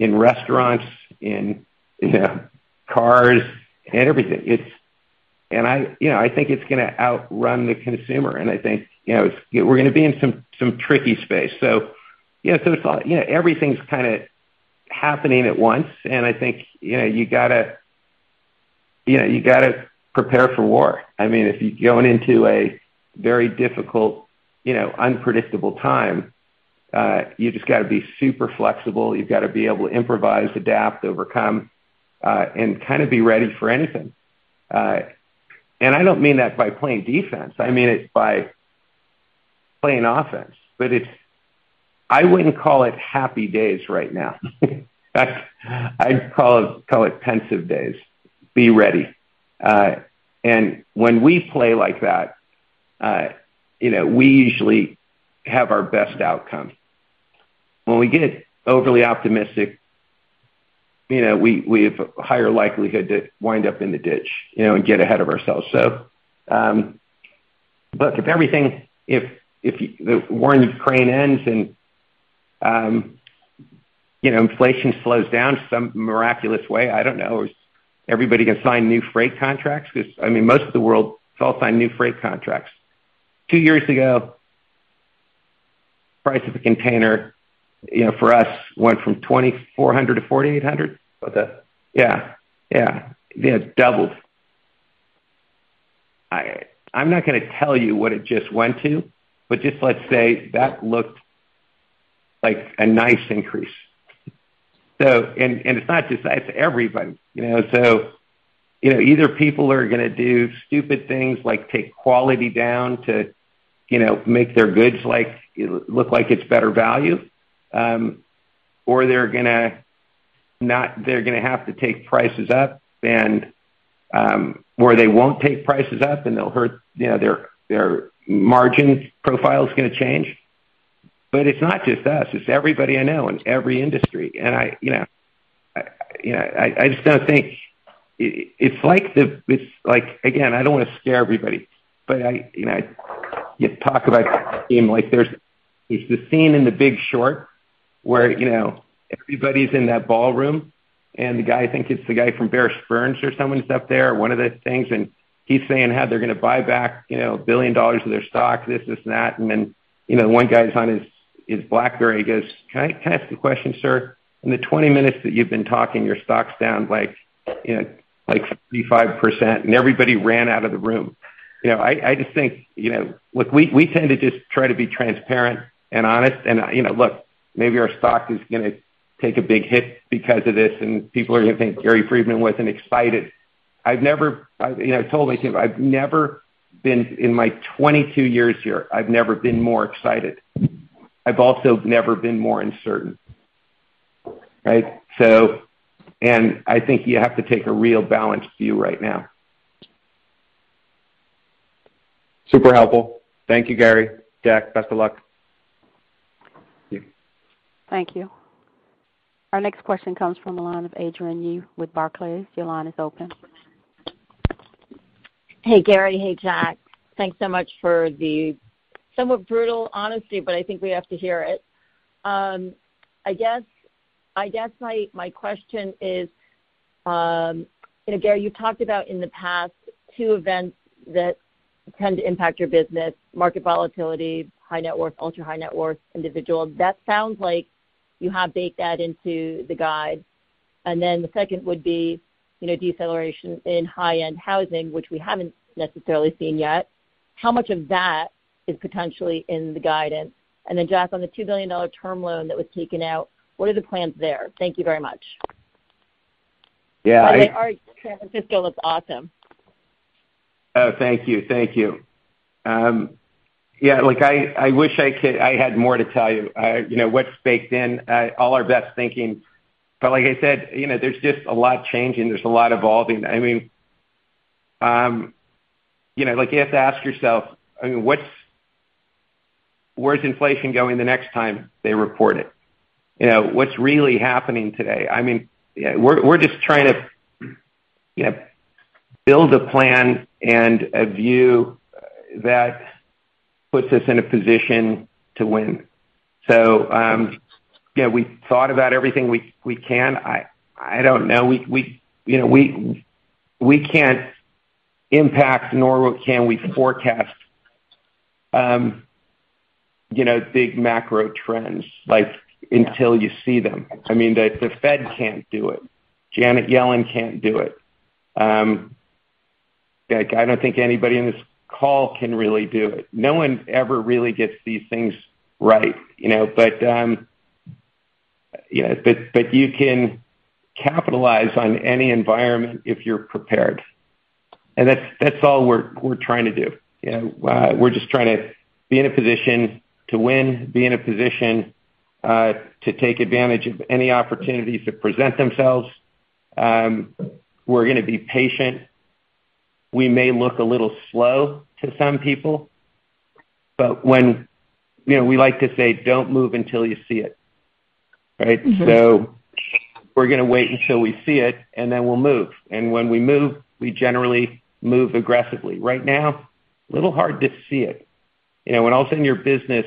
in restaurants, in you know cars, and everything. I you know think it's gonna outrun the consumer, and I think you know we're gonna be in some tricky space. You know so it's all you know everything's kinda happening at once, and I think you know you gotta prepare for war. I mean, if you're going into a very difficult you know unpredictable time, you just gotta be super flexible. You've gotta be able to improvise, adapt, overcome, and kinda be ready for anything. I don't mean that by playing defense. I mean it by playing offense. I wouldn't call it happy days right now. I'd call it pensive days. Be ready. When we play like that, you know, we usually have our best outcome. When we get overly optimistic, you know, we have a higher likelihood to wind up in the ditch, you know, and get ahead of ourselves. Look, if everything, if the war in Ukraine ends and, you know, inflation slows down in some miraculous way, I don't know, everybody can sign new freight contracts because, I mean, most of the world has all signed new freight contracts. Two years ago, price of a container, you know, for us went from $2,400 to $4,800. Okay. Yeah. Yeah. It doubled. I'm not gonna tell you what it just went to, but just let's say that looked like a nice increase. It's not just us, it's everybody, you know. You know, either people are gonna do stupid things like take quality down to, you know, make their goods like look like it's better value, or they're gonna have to take prices up, or they won't take prices up and they'll hurt their margin profile. It's gonna change. It's not just us, it's everybody I know in every industry. I, you know, just don't think. It's like, again, I don't want to scare everybody, but, you know, you talk about the team like there's, it's the scene in The Big Short where, you know, everybody's in that ballroom, and the guy, I think it's the guy from Bear Stearns or someone's up there, one of the things, and he's saying how they're gonna buy back, you know, $1 billion of their stock, this and that. Then, you know, one guy's on his BlackBerry, he goes, "Can I ask a question, sir? In the 20 minutes that you've been talking, your stock's down like, you know, like 55%," and everybody ran out of the room. You know, I just think, you know, look, we tend to just try to be transparent and honest and, you know, look, maybe our stock is gonna take a big hit because of this and people are gonna think Gary Friedman wasn't excited. I you know told my team, I've never been, in my 22 years here, I've never been more excited. I've also never been more uncertain. Right? I think you have to take a real balanced view right now. Super helpful. Thank you, Gary. Jack, best of luck. Thank you. Thank you. Our next question comes from the line of Adrienne Yih with Barclays. Your line is open. Hey, Gary. Hey, Jack. Thanks so much for the somewhat brutal honesty, but I think we have to hear it. I guess my question is, you know, Gary, you talked about in the past two events that tend to impact your business, market volatility, high net worth, ultra-high net worth individuals. That sounds like you have baked that into the guide. Then the second would be, you know, deceleration in high-end housing, which we haven't necessarily seen yet. How much of that is potentially in the guidance? Then Jack, on the $2 billion term loan that was taken out, what are the plans there? Thank you very much. Yeah. By the way, our San Francisco looks awesome. Oh, thank you. Thank you. Yeah, look, I had more to tell you. You know, what's baked in, all our best thinking. Like I said, you know, there's just a lot changing. There's a lot evolving. I mean, you know, like, you have to ask yourself, I mean, where's inflation going the next time they report it? You know, what's really happening today? I mean, yeah, we're just trying to, you know, build a plan and a view that puts us in a position to win. You know, we thought about everything we can. I don't know. We, you know, can't impact nor can we forecast, you know, big macro trends, like, until you see them. I mean, the Fed can't do it. Janet Yellen can't do it. Like, I don't think anybody in this call can really do it. No one ever really gets these things right, you know. You know, you can capitalize on any environment if you're prepared. That's all we're trying to do. You know, we're just trying to be in a position to win, to take advantage of any opportunities that present themselves. We're gonna be patient. We may look a little slow to some people. You know, we like to say, "Don't move until you see it." Right? Mm-hmm. We're gonna wait until we see it, and then we'll move. When we move, we generally move aggressively. Right now, a little hard to see it. You know, when all of a sudden your business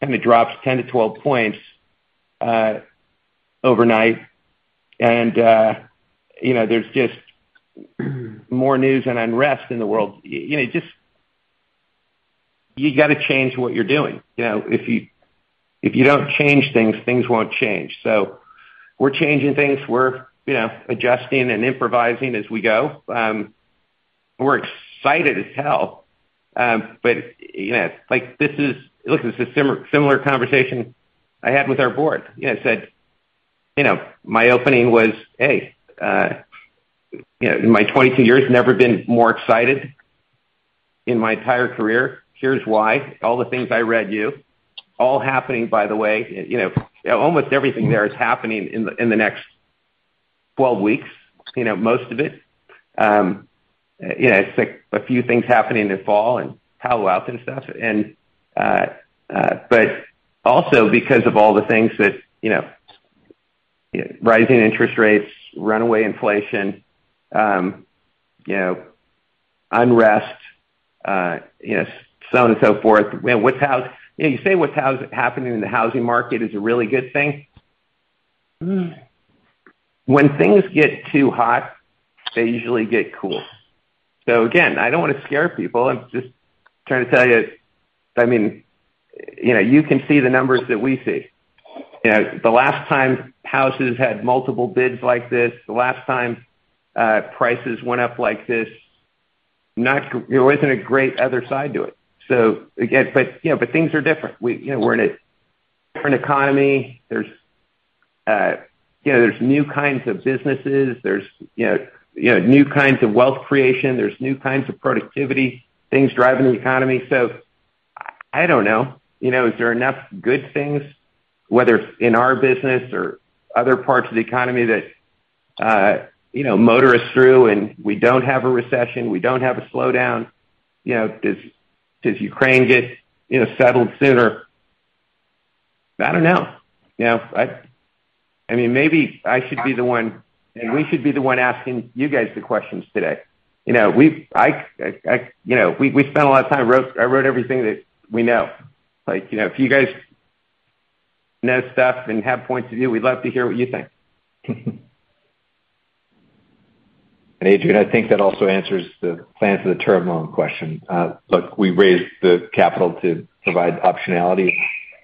kind of drops 10%-12% overnight and, you know, there's just more news and unrest in the world, you know, you just gotta change what you're doing. You know, if you don't change things won't change. We're changing things. We're, you know, adjusting and improvising as we go. We're excited as hell. But, you know, like, this is similar conversation I had with our board. You know, I said, you know, my opening was, "Hey, you know, in my 22 years, never been more excited in my entire career. Here's why. All the things I read you, all happening, by the way. You know, almost everything there is happening in the next 12 weeks, you know, most of it. You know, it's like a few things happening in fall and Palo Alto and stuff. But also because of all the things that, you know, rising interest rates, runaway inflation, you know, unrest, you know, so on and so forth. You know, you say what's happening in the housing market is a really good thing. When things get too hot, they usually get cool. Again, I don't want to scare people. I'm just trying to tell you, I mean, you know, you can see the numbers that we see. You know, the last time houses had multiple bids like this, the last time, prices went up like this, there wasn't a great other side to it. Again, but things are different. We, you know, we're in a different economy. There's, you know, there's new kinds of businesses. There's, you know, new kinds of wealth creation. There's new kinds of productivity, things driving the economy. I don't know. You know, is there enough good things, whether in our business or other parts of the economy that, you know, motor us through, and we don't have a recession, we don't have a slowdown? You know, does Ukraine get, you know, settled sooner? I don't know. You know, I mean, maybe we should be the one asking you guys the questions today. You know, you know, we spent a lot of time, I wrote everything that we know. Like, you know, if you guys know stuff and have points of view, we'd love to hear what you think. Adrienne, I think that also answers the plans of the term loan question. Look, we raised the capital to provide optionality,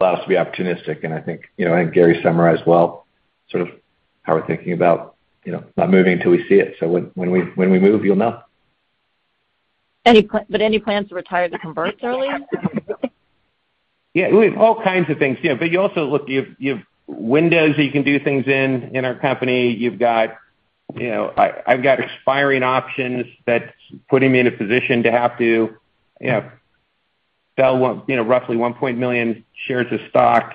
allow us to be opportunistic, and I think, you know, I think Gary summarized well sort of how we're thinking about, you know, not moving until we see it. When we move, you'll know. Any plans to retire the converts early? Yeah, we have all kinds of things. Yeah. You also look, you've windows that you can do things in our company. You've got, you know, I've got expiring options that's putting me in a position to have to, you know, sell roughly 1 million shares of stock.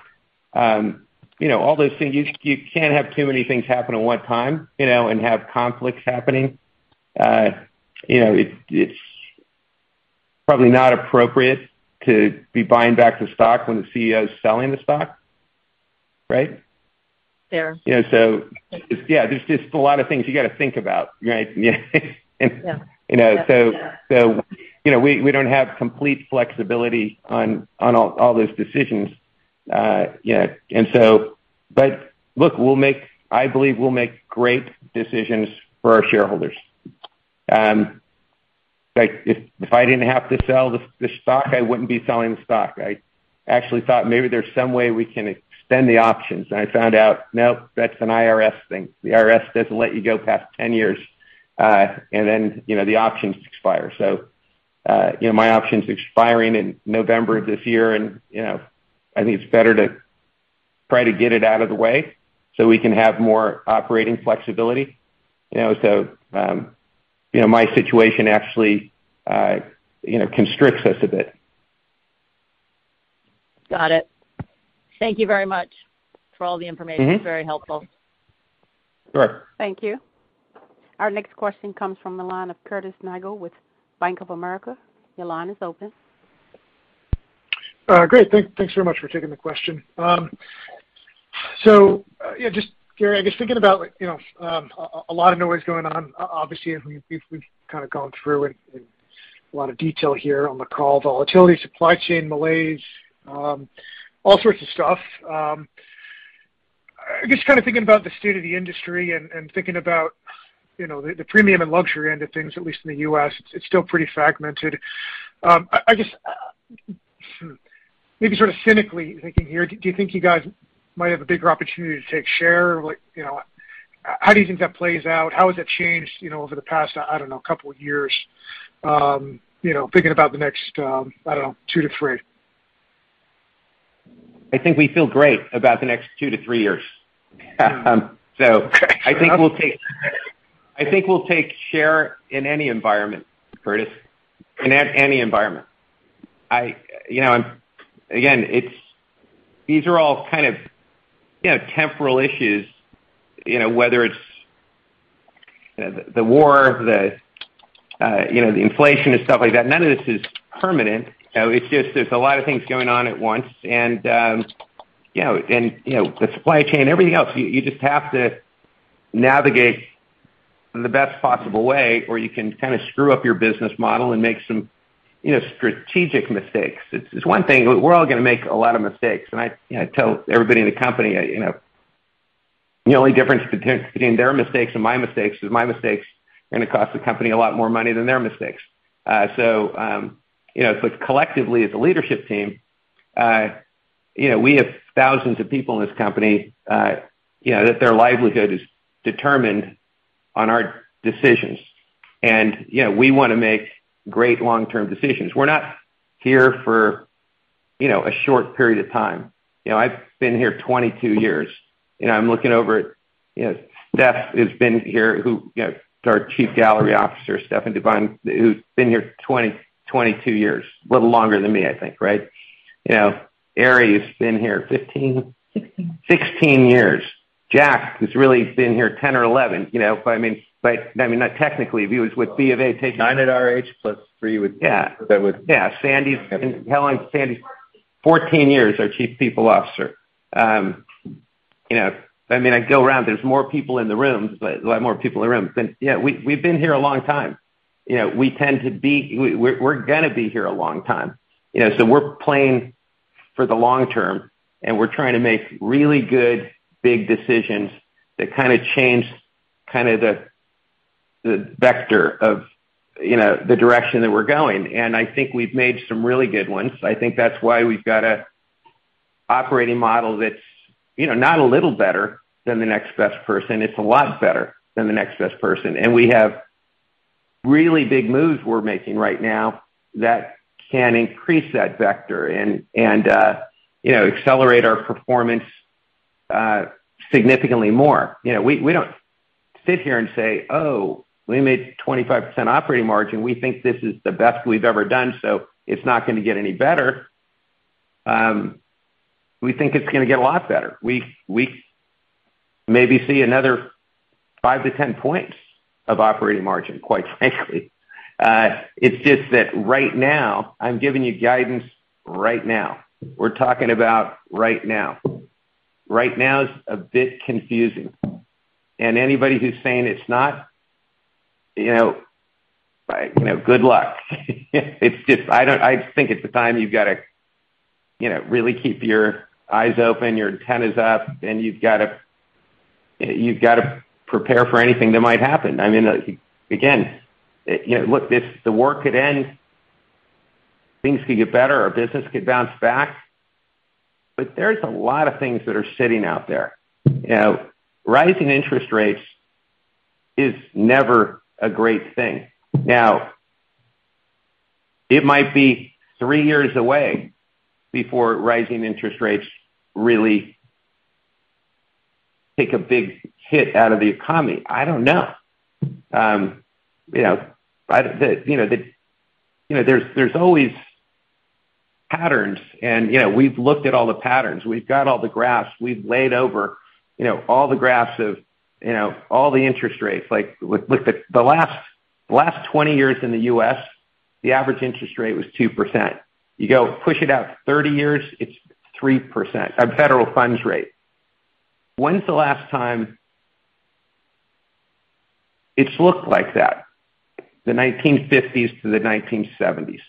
You know, all those things. You can't have too many things happen at one time, you know, and have conflicts happening. You know, it's probably not appropriate to be buying back the stock when the CEO is selling the stock, right? Sure. You know, yeah, there's just a lot of things you got to think about, right? Yeah. You know, we don't have complete flexibility on all those decisions. Look, I believe we'll make great decisions for our shareholders. Like if I didn't have to sell the stock, I wouldn't be selling the stock. I actually thought maybe there's some way we can extend the options, and I found out, nope, that's an IRS thing. The IRS doesn't let you go past 10 years, and then the options expire. My option's expiring in November of this year, and I think it's better to try to get it out of the way so we can have more operating flexibility. You know, my situation actually constricts us a bit. Got it. Thank you very much for all the information. Mm-hmm. It's very helpful. Sure. Thank you. Our next question comes from the line of Curtis Nagle with Bank of America. Your line is open. Great. Thanks very much for taking the question. So yeah, just Gary, I guess thinking about, you know, a lot of noise going on, obviously, and we've kind of gone through in a lot of detail here on the call, volatility, supply chain malaise, all sorts of stuff. I guess kind of thinking about the state of the industry and thinking about, you know, the premium and luxury end of things, at least in the U.S., it's still pretty fragmented. I guess, maybe sort of cynically thinking here, do you think you guys might have a bigger opportunity to take share? Like, you know, how do you think that plays out? How has that changed, you know, over the past, I don't know, couple of years? You know, thinking about the next, I don't know, 2-3. I think we feel great about the next 2-3 years. Okay. I think we'll take share in any environment, Curtis, in any environment. You know, again, it's these are all kind of temporal issues, you know, whether it's the war, the inflation and stuff like that. None of this is permanent. You know, it's just there's a lot of things going on at once and you know the supply chain, everything else. You just have to navigate in the best possible way, or you can kind of screw up your business model and make some strategic mistakes. It's one thing, we're all gonna make a lot of mistakes. I tell everybody in the company, you know, the only difference between their mistakes and my mistakes is my mistakes are gonna cost the company a lot more money than their mistakes. You know, but collectively, as a leadership team, you know, we have thousands of people in this company, you know, that their livelihood is determined on our decisions. You know, we wanna make great long-term decisions. We're not here for, you know, a short period of time. You know, I've been here 22 years. You know, I'm looking over at, you know, Steph has been here, who, you know, is our Chief Gallery Officer, Stefan Duban, who's been here 22 years. A little longer than me, I think, right? You know, Eri has been here 15- 16. 16 years. Jack has really been here 10 or 11. You know, but I mean, not technically. If he was with Bank of America taking- nine at RH plus three with- Yeah. That would- Yeah. Sandy and Helen. Sandy, 14 years our Chief People Officer. You know, I mean, I go around. There's more people in the room, but a lot more people in the room than. You know, we've been here a long time. You know, we tend to be. We're gonna be here a long time. You know, so we're playing for the long-term, and we're trying to make really good, big decisions that kinda change kinda the vector of, you know, the direction that we're going. I think we've made some really good ones. I think that's why we've got an operating model that's, you know, not a little better than the next best person. It's a lot better than the next best person. We have really big moves we're making right now that can increase that vector and you know accelerate our performance significantly more. You know, we don't sit here and say, "Oh, we made 25% operating margin. We think this is the best we've ever done, so it's not gonna get any better." We think it's gonna get a lot better. We maybe see another 5-10 points of operating margin, quite frankly. It's just that right now, I'm giving you guidance right now. We're talking about right now. Right now is a bit confusing. Anybody who's saying it's not, you know, like, you know, good luck. It's just I think at the time you've gotta, you know, really keep your eyes open, your antennas up, and you've gotta prepare for anything that might happen. I mean, again, you know, look, this, the work could end, things could get better, our business could bounce back, but there's a lot of things that are sitting out there. You know, rising interest rates is never a great thing. Now, it might be three years away before rising interest rates really take a big hit out of the economy. I don't know. You know, you know, the. You know, there's always patterns and, you know, we've looked at all the patterns. We've got all the graphs. We've laid over, you know, all the graphs of, you know, all the interest rates. Like, with the last 20 years in the U.S., the average interest rate was 2%. You go push it out 30 years, it's 3%, federal funds rate. When's the last time it's looked like that? The 1950s to the 1970s,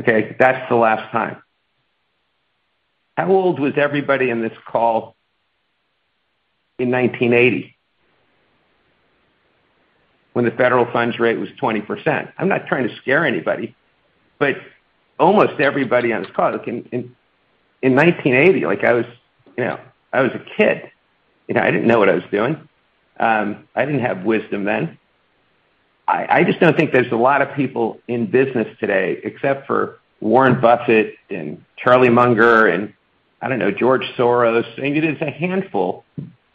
okay? That's the last time. How old was everybody in this call in 1980 when the federal funds rate was 20%? I'm not trying to scare anybody, but almost everybody on this call, like, in 1980, like I was, you know, I was a kid. You know, I didn't know what I was doing. I didn't have wisdom then. I just don't think there's a lot of people in business today, except for Warren Buffett and Charlie Munger and, I don't know, George Soros. I mean, it is a handful.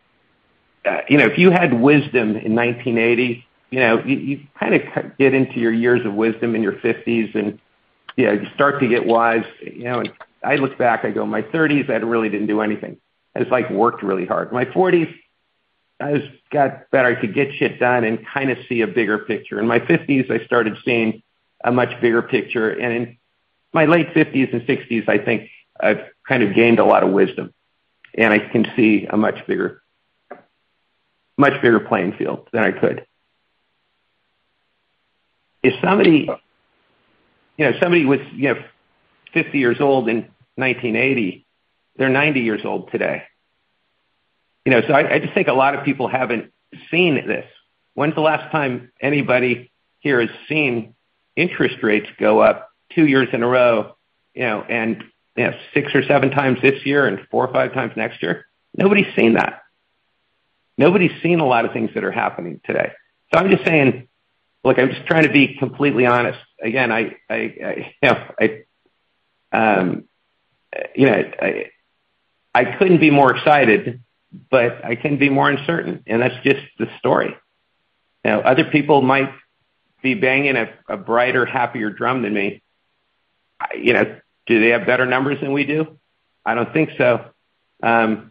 You know, if you had wisdom in 1980, you know, you kinda get into your years of wisdom in your 50s and, you know, you start to get wise. You know, I look back, I go, my 30s, I really didn't do anything. I just, like, worked really hard. My 40s, I just got better, I could get shit done and kinda see a bigger picture. In my 50s, I started seeing a much bigger picture. In my late 50s and 60s, I think I've kind of gained a lot of wisdom, and I can see a much bigger, much bigger playing field than I could. If somebody, you know, was, you know, 50 years old in 1980, they're 90 years old today. You know, I just think a lot of people haven't seen this. When's the last time anybody here has seen interest rates go up two years in a row, you know, and, you know, six or seven times this year and four or five times next year? Nobody's seen that. Nobody's seen a lot of things that are happening today. I'm just saying. Look, I'm just trying to be completely honest. Again, I you know I you know I couldn't be more excited, but I can be more uncertain, and that's just the story. You know, other people might be banging a brighter, happier drum than me. You know, do they have better numbers than we do? I don't think so. We'll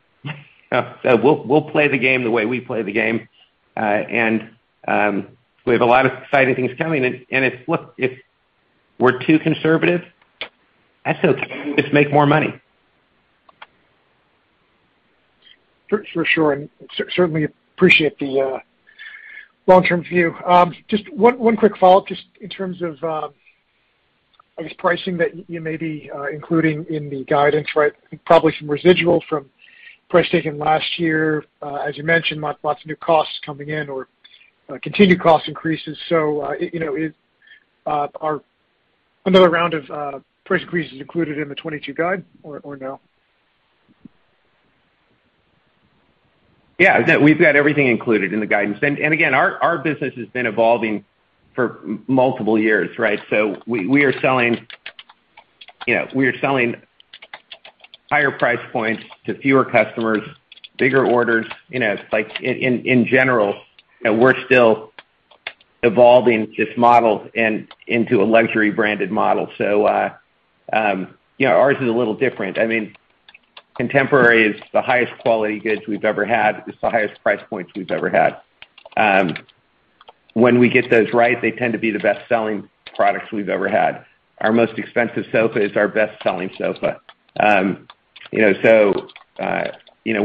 play the game the way we play the game. We have a lot of exciting things coming and if, look, if we're too conservative, that's okay. We just make more money. For sure, and certainly appreciate the long-term view. Just one quick follow-up, just in terms of, I guess, pricing that you may be including in the guidance, right? Probably some residual from price taken last year. As you mentioned, lots of new costs coming in or continued cost increases. You know, are another round of price increases included in the 2022 guide or no? Yeah. We've got everything included in the guidance. Again, our business has been evolving for multiple years, right? We are selling higher price points to fewer customers, bigger orders, you know, like in general. You know, we're still evolving this model and into a luxury branded model. You know, ours is a little different. I mean, contemporary is the highest quality goods we've ever had. It's the highest price points we've ever had. When we get those right, they tend to be the best-selling products we've ever had. Our most expensive sofa is our best-selling sofa. You know,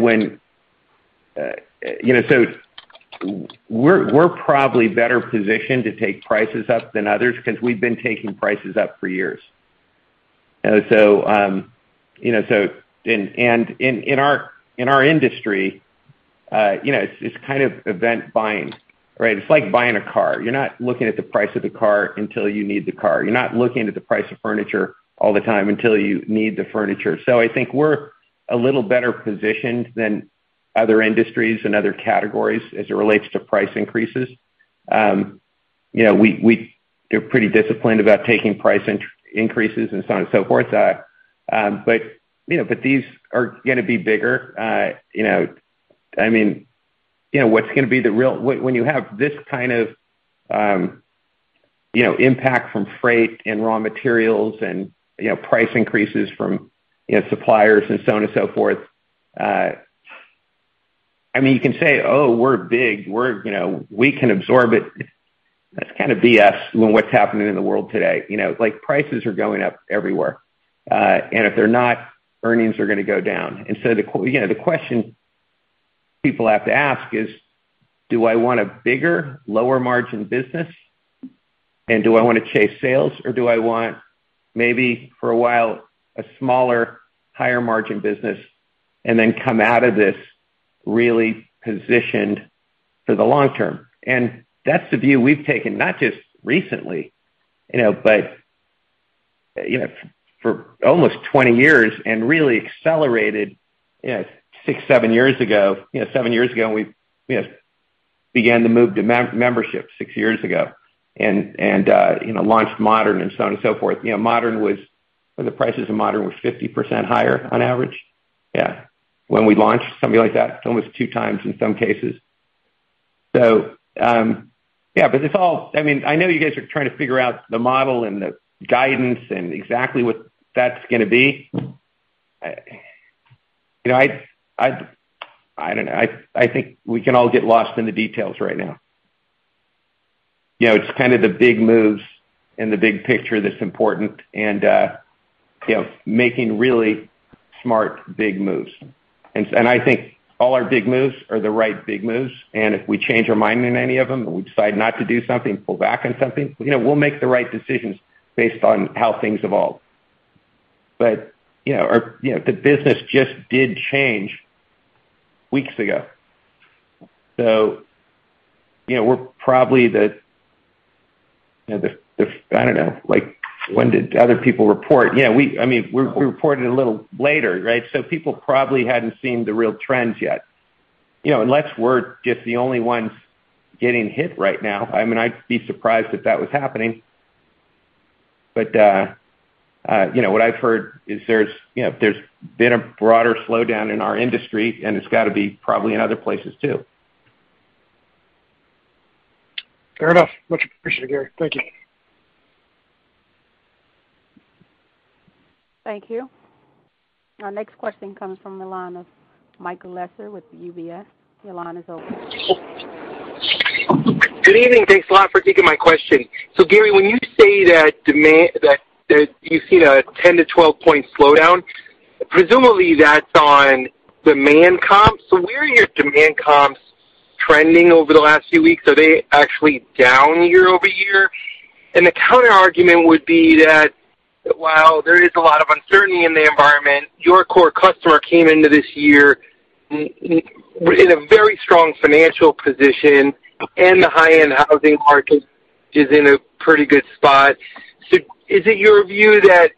we're probably better positioned to take prices up than others because we've been taking prices up for years. In our industry, you know, it's kind of event buying, right? It's like buying a car. You're not looking at the price of the car until you need the car. You're not looking at the price of the furniture all the time until you need the furniture. I think we're a little better positioned than other industries and other categories as it relates to price increases. You know, we're pretty disciplined about taking price increases and so on and so forth. These are gonna be bigger. I mean, you know, what's gonna be the real impact when you have this kind of impact from freight and raw materials and price increases from suppliers and so on and so forth. I mean, you can say, "Oh, we're big. We're, you know, we can absorb it." That's kind of BS when what's happening in the world today. You know, like, prices are going up everywhere, and if they're not, earnings are gonna go down. The question people have to ask is, do I want a bigger, lower margin business, and do I wanna chase sales? Or do I want, maybe for a while, a smaller, higher margin business and then come out of this really positioned for the long term? That's the view we've taken, not just recently, you know, but, you know, for almost 20 years and really accelerated, you know, six, seven years ago. You know, seven years ago, and we, you know, began to move to membership six years ago and, you know, launched Modern and so on and so forth. You know, Modern was. The prices of Modern were 50% higher on average. Yeah. When we launched, something like that, almost two times in some cases. So, yeah, but it's all, I mean, I know you guys are trying to figure out the model and the guidance and exactly what that's gonna be. You know, I don't know. I think we can all get lost in the details right now. You know, it's kind of the big moves and the big picture that's important and, you know, making really smart, big moves. I think all our big moves are the right big moves. If we change our mind in any of them and we decide not to do something, pull back on something, you know, we'll make the right decisions based on how things evolve. You know, our, you know, the business just did change weeks ago. You know, we're probably the, you know, I don't know, like, when did other people report? Yeah, I mean, we reported a little later, right? People probably hadn't seen the real trends yet. You know, unless we're just the only ones getting hit right now. I mean, I'd be surprised if that was happening. You know, what I've heard is there's been a broader slowdown in our industry, and it's gotta be probably in other places too. Fair enough. Much appreciated, Gary. Thank you. Thank you. Our next question comes from the line of Michael Lasser with UBS. Your line is open. Good evening. Thanks a lot for taking my question. Gary, when you say that you've seen a 10-12 point slowdown, presumably that's on demand comps. Where are your demand comps trending over the last few weeks? Are they actually down year-over-year? The counterargument would be that while there is a lot of uncertainty in the environment, your core customer came into this year in a very strong financial position, and the high-end housing market is in a pretty good spot. Is it your view that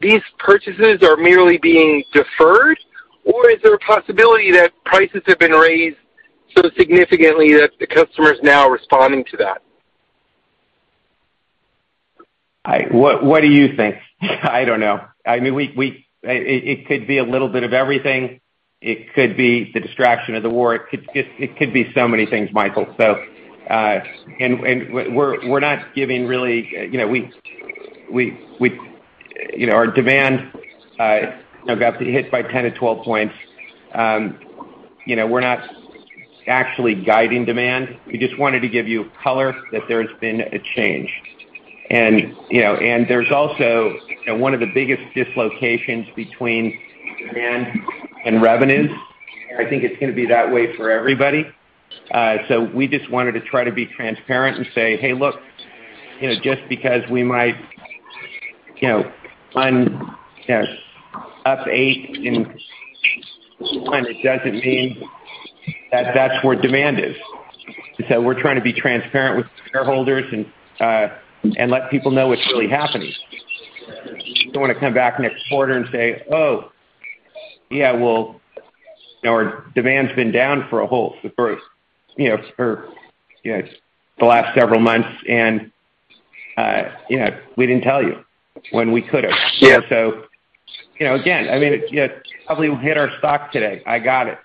these purchases are merely being deferred, or is there a possibility that prices have been raised so significantly that the customer is now responding to that? What do you think? I don't know. I mean, it could be a little bit of everything. It could be the distraction of the war. It could be so many things, Michael, so. We're not really giving. You know, our demand got hit by 10-12 points. You know, we're not actually guiding demand. We just wanted to give you color that there's been a change. You know, there's also one of the biggest dislocations between demand and revenues. I think it's gonna be that way for everybody. We just wanted to try to be transparent and say, "Hey, look, you know, just because we might, you know, up eight in 10, it doesn't mean that that's where demand is." We're trying to be transparent with shareholders and let people know what's really happening. Don't wanna come back next quarter and say, "Oh, yeah, well, you know, our demand's been down for a whole, you know, for the last several months, and you know, we didn't tell you when we could have. Yeah. You know, again, I mean, it probably hit our stock today. I got it.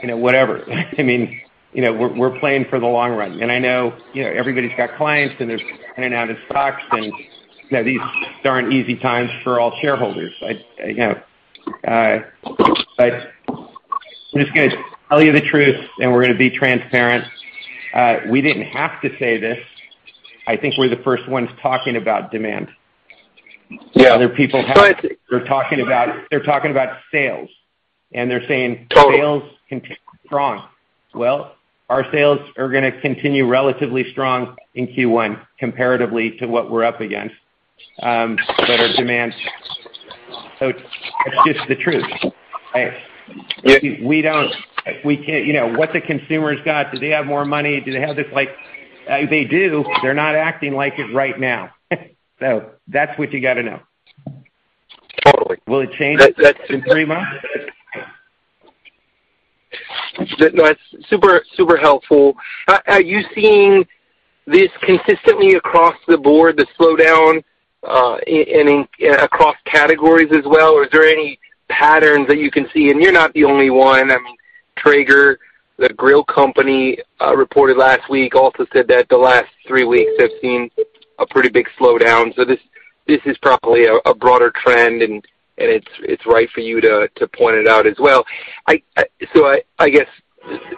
You know, whatever. I mean, you know, we're playing for the long run. I know, you know, everybody's got clients, and there's in and out of stocks, and, you know, these aren't easy times for all shareholders. I, you know, we're just gonna tell you the truth, and we're gonna be transparent. We didn't have to say this. I think we're the first ones talking about demand. Yeah. Other people have- But- They're talking about sales, and they're saying. Totally. Sales continue strong. Well, our sales are gonna continue relatively strong in Q1 comparatively to what we're up against, but our demand. It's just the truth, right? Yeah. You know, what the consumer's got, do they have more money? Do they have this like. They do, they're not acting like it right now. That's what you gotta know. Totally. Will it change in three months? That's super helpful. Are you seeing this consistently across the board, the slowdown in across categories as well? Or is there any patterns that you can see? You're not the only one. I mean, Traeger, the grill company, reported last week, also said that the last three weeks they've seen a pretty big slowdown. This is probably a broader trend, and it's right for you to point it out as well. I guess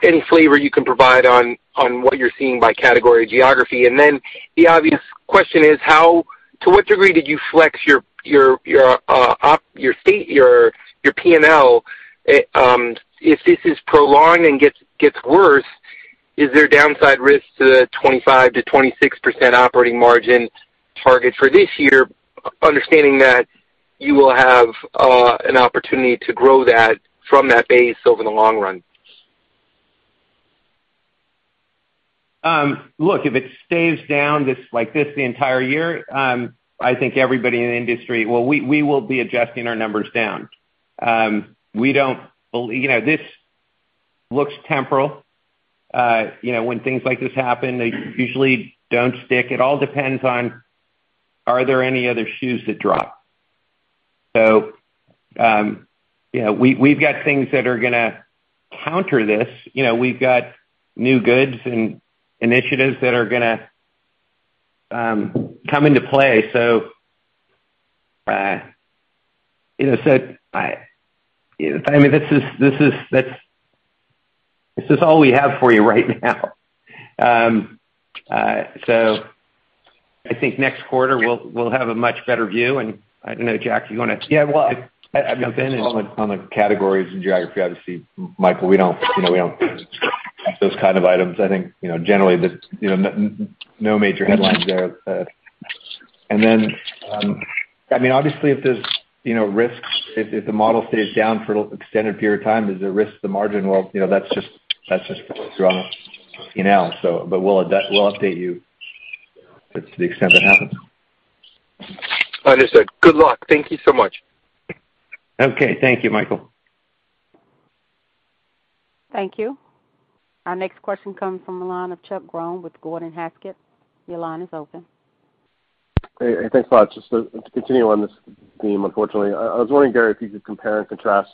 any flavor you can provide on what you're seeing by category, geography. The obvious question is to what degree did you flex your OpEx, your SG&A, your P&L? If this is prolonged and gets worse, is there downside risk to the 25%-26% operating margin target for this year, understanding that you will have an opportunity to grow that from that base over the long run? Look, if it stays down like this the entire year, I think everybody in the industry will be adjusting our numbers down. You know, this looks temporary. You know, when things like this happen, they usually don't stick. It all depends on if there are any other shoes to drop. You know, we've got things that are gonna counter this. You know, we've got new goods and initiatives that are gonna come into play. You know, I mean, this is all we have for you right now. I think next quarter we'll have a much better view. I don't know, Jack, you wanna- Yeah, well, I mean Jump in and- On the categories and geography, obviously, Michael, we don't disclose those kind of items. I think generally no major headlines there. And then obviously if there's risks, if the macro stays down for an extended period of time, there's a risk to the margin. Well, that's just drama. We'll update you to the extent that happens. Understood. Good luck. Thank you so much. Okay. Thank you, Michael. Thank you. Our next question comes from the line of Chuck Grom with Gordon Haskett. Your line is open. Hey, thanks a lot. Just to continue on this theme, unfortunately. I was wondering, Gary, if you could compare and contrast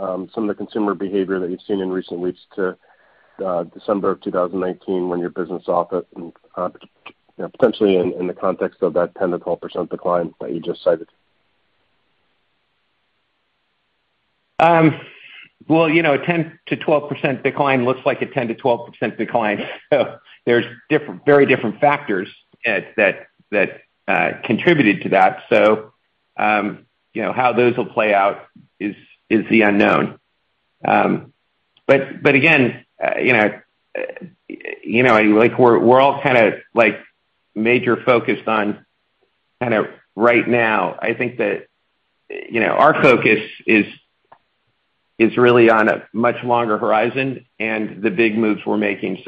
some of the consumer behavior that you've seen in recent weeks to December of 2019 when your business was off a bit and you know, potentially in the context of that 10%-12% decline that you just cited. Well, you know, a 10%-12% decline looks like a 10%-12% decline. There's different, very different factors at that that contributed to that. You know, how those will play out is the unknown. But again, you know, like we're all kinda like major focused on kinda right now. I think that, you know, our focus is really on a much longer horizon and the big moves we're making.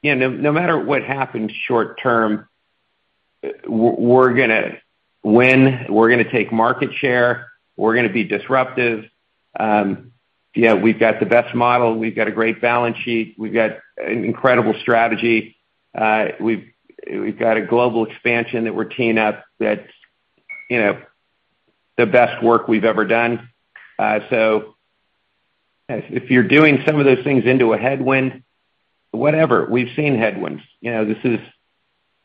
You know, no matter what happens short term, we're gonna win, we're gonna take market share, we're gonna be disruptive. You know, we've got the best model, we've got a great balance sheet, we've got an incredible strategy. We've got a global expansion that we're teeing up that's, you know, the best work we've ever done. So if you're doing some of those things into a headwind, whatever. We've seen headwinds. You know, this is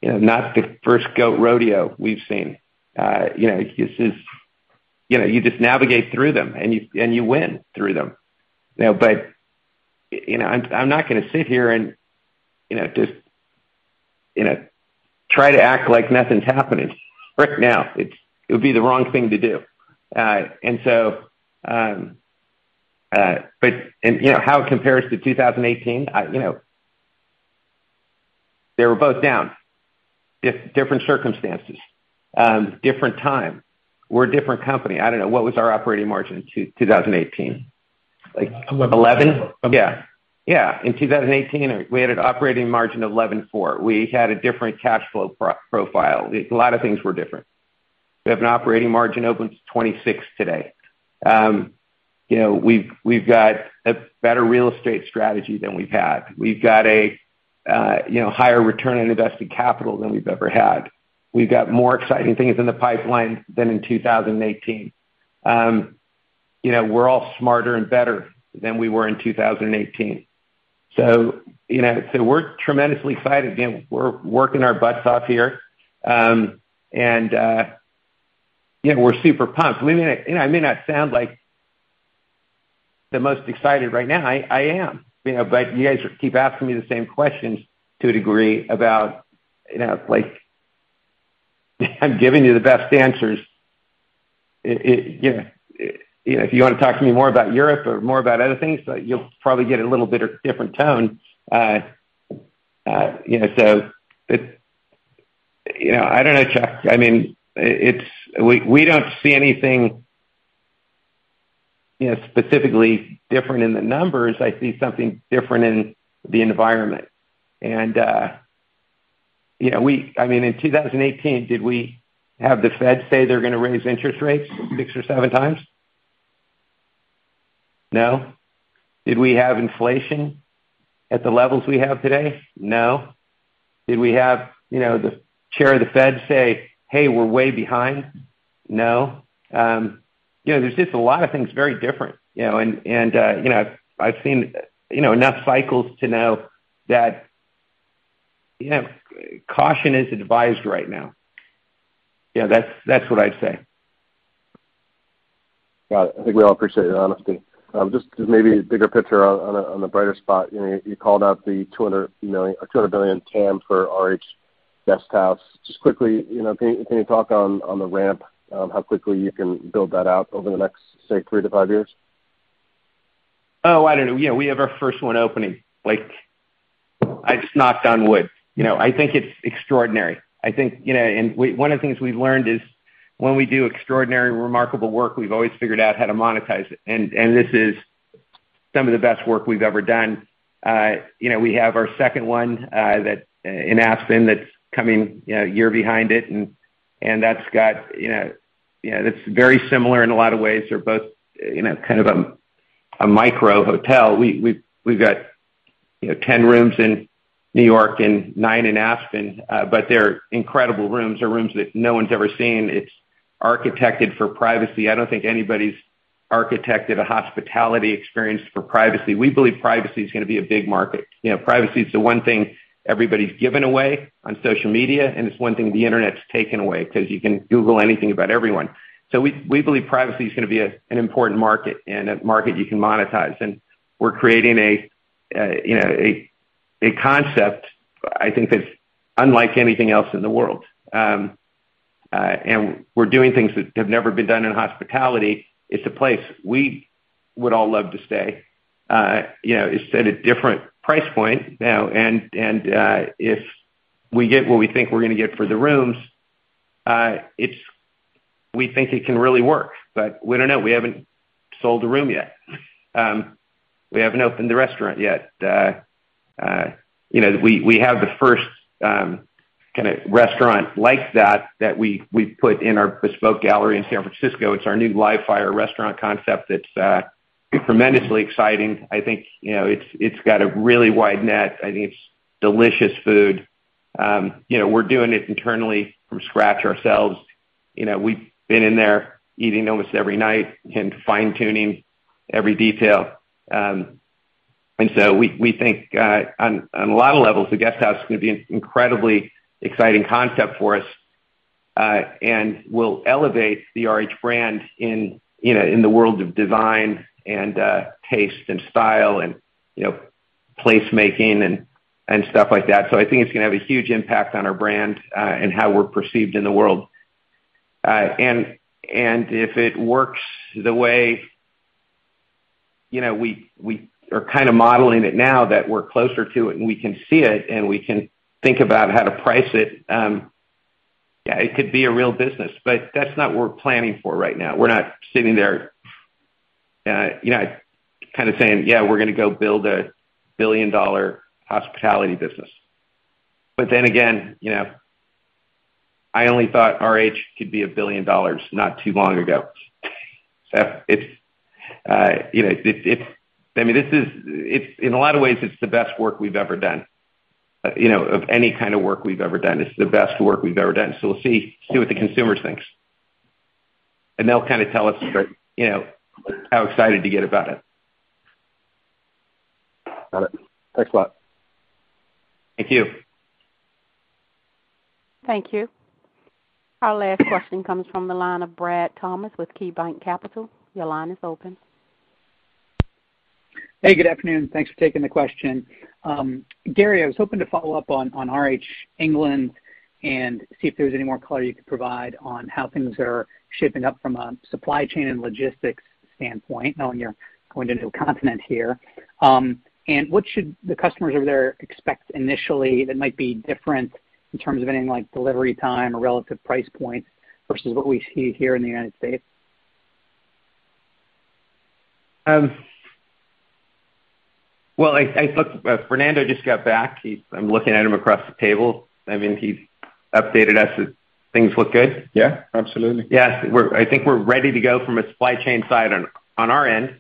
not the first goat rodeo we've seen. You know, you just navigate through them and you win through them. You know, but I'm not gonna sit here and just try to act like nothing's happening right now. It would be the wrong thing to do. And so, but and you know, how it compares to 2018, I you know. They were both down. Different circumstances, different time. We're a different company. I don't know, what was our operating margin in 2018? Like Eleven. Eleven? Yeah. Yeah. In 2018, we had an operating margin of 11.4%. We had a different cash flow profile. A lot of things were different. We have an operating margin up to 26% today. You know, we've got a better real estate strategy than we've had. We've got a, you know, higher return on invested capital than we've ever had. We've got more exciting things in the pipeline than in 2018. You know, we're all smarter and better than we were in 2018. You know, we're tremendously excited. Again, we're working our butts off here. And, yeah, we're super pumped. We may not. You know, I may not sound like the most excited right now, I am. You know, you guys keep asking me the same questions to a degree about, you know, like I'm giving you the best answers. You know, if you wanna talk to me more about Europe or more about other things, you'll probably get a little bit of different tone. You know, I don't know, Chuck. I mean, we don't see anything, you know, specifically different in the numbers. I see something different in the environment. I mean, in 2018, did we have the Fed say they're gonna raise interest rates 6 or 7 times? No. Did we have inflation at the levels we have today? No. Did we have, you know, the chair of the Fed say, "Hey, we're way behind"? No. You know, there's just a lot of things very different, you know. You know, I've seen, you know, enough cycles to know that, you know, caution is advised right now. Yeah, that's what I'd say. Got it. I think we all appreciate your honesty. Just 'cause maybe bigger picture on a brighter spot. You know, you called out the $200 million or $200 billion TAM for RH Guesthouse. Just quickly, you know, can you talk on the ramp, on how quickly you can build that out over the next, say, 3-5 years? Oh, I don't know. You know, we have our first one opening. Like, I just knocked on wood. You know, I think it's extraordinary. I think, you know. One of the things we've learned is when we do extraordinary, remarkable work, we've always figured out how to monetize it. And this is some of the best work we've ever done. You know, we have our second one in Aspen that's coming, you know, a year behind it. And that's got, you know. You know, that's very similar in a lot of ways. They're both, you know, kind of a micro hotel. We've got, you know, 10 rooms in New York and nine in Aspen. But they're incredible rooms. They're rooms that no one's ever seen. It's architected for privacy. I don't think anybody's architected a hospitality experience for privacy. We believe privacy is gonna be a big market. You know, privacy is the one thing everybody's given away on social media, and it's one thing the Internet's taken away because you can Google anything about everyone. We believe privacy is gonna be an important market and a market you can monetize. We're creating a you know, concept, I think, that's unlike anything else in the world. We're doing things that have never been done in hospitality. It's a place we would all love to stay. You know, it's at a different price point now, and if we get what we think we're gonna get for the rooms, it's. We think it can really work. We don't know. We haven't sold a room yet. We haven't opened the restaurant yet. You know, we have the first kinda restaurant like that that we've put in our Bespoke Gallery in San Francisco. It's our new Live Fire restaurant concept that's tremendously exciting. I think, you know, it's got a really wide net. I think it's delicious food. You know, we're doing it internally from scratch ourselves. You know, we've been in there eating almost every night and fine-tuning every detail. We think on a lot of levels, the Guesthouse is gonna be an incredibly exciting concept for us and will elevate the RH brand in, you know, in the world of design and taste and style and, you know, placemaking and stuff like that. I think it's gonna have a huge impact on our brand and how we're perceived in the world. If it works the way, you know, we are kinda modeling it now that we're closer to it and we can see it and we can think about how to price it, yeah, it could be a real business. That's not what we're planning for right now. We're not sitting there, you know, kinda saying, "Yeah, we're gonna go build a billion-dollar hospitality business." Then again, you know, I only thought RH could be a billion dollars not too long ago. It's, you know. I mean, this is it. In a lot of ways, it's the best work we've ever done. You know, of any kind of work we've ever done, this is the best work we've ever done. We'll see what the consumer thinks. They'll kinda tell us, you know, how excited to get about it. Got it. Thanks a lot. Thank you. Thank you. Our last question comes from the line of Brad Thomas with KeyBanc Capital. Your line is open. Hey, good afternoon. Thanks for taking the question. Gary, I was hoping to follow up on RH England and see if there was any more color you could provide on how things are shaping up from a supply chain and logistics standpoint, knowing you're going to new continent here. What should the customers over there expect initially that might be different in terms of anything like delivery time or relative price points versus what we see here in the United States? Fernando just got back. I'm looking at him across the table. I mean, he's updated us that things look good. Yeah, absolutely. Yes. I think we're ready to go from a supply chain side on our end.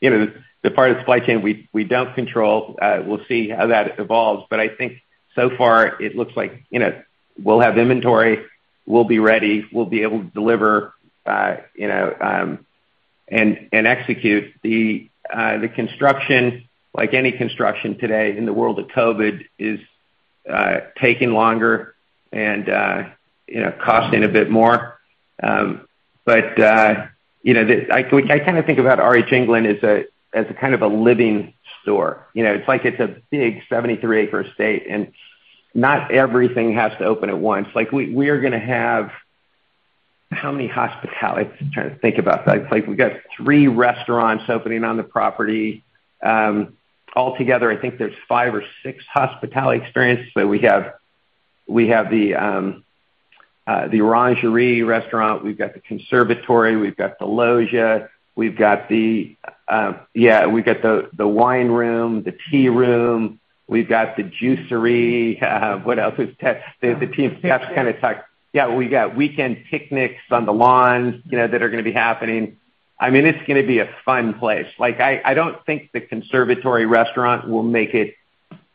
The part of the supply chain we don't control, we'll see how that evolves. I think so far it looks like we'll have inventory. We'll be ready, we'll be able to deliver, and execute the construction. Like any construction today in the world of COVID is taking longer and costing a bit more. I kinda think about RH England as a kind of living store. It's a big 73-acre estate, and not everything has to open at once. We're gonna have how many hospitality? I'm trying to think about that. It's like we've got three restaurants opening on the property. Altogether, I think there's five or six hospitality experiences, but we have the Orangery restaurant, we've got the Conservatory, we've got the Loggia, we've got the Wine Room, the Tea Room, we've got the Juicery. What else? There's the team. Scott's kinda talked. Yeah, we got weekend picnics on the lawn, you know, that are gonna be happening. I mean, it's gonna be a fun place. Like, I don't think the Conservatory restaurant will make it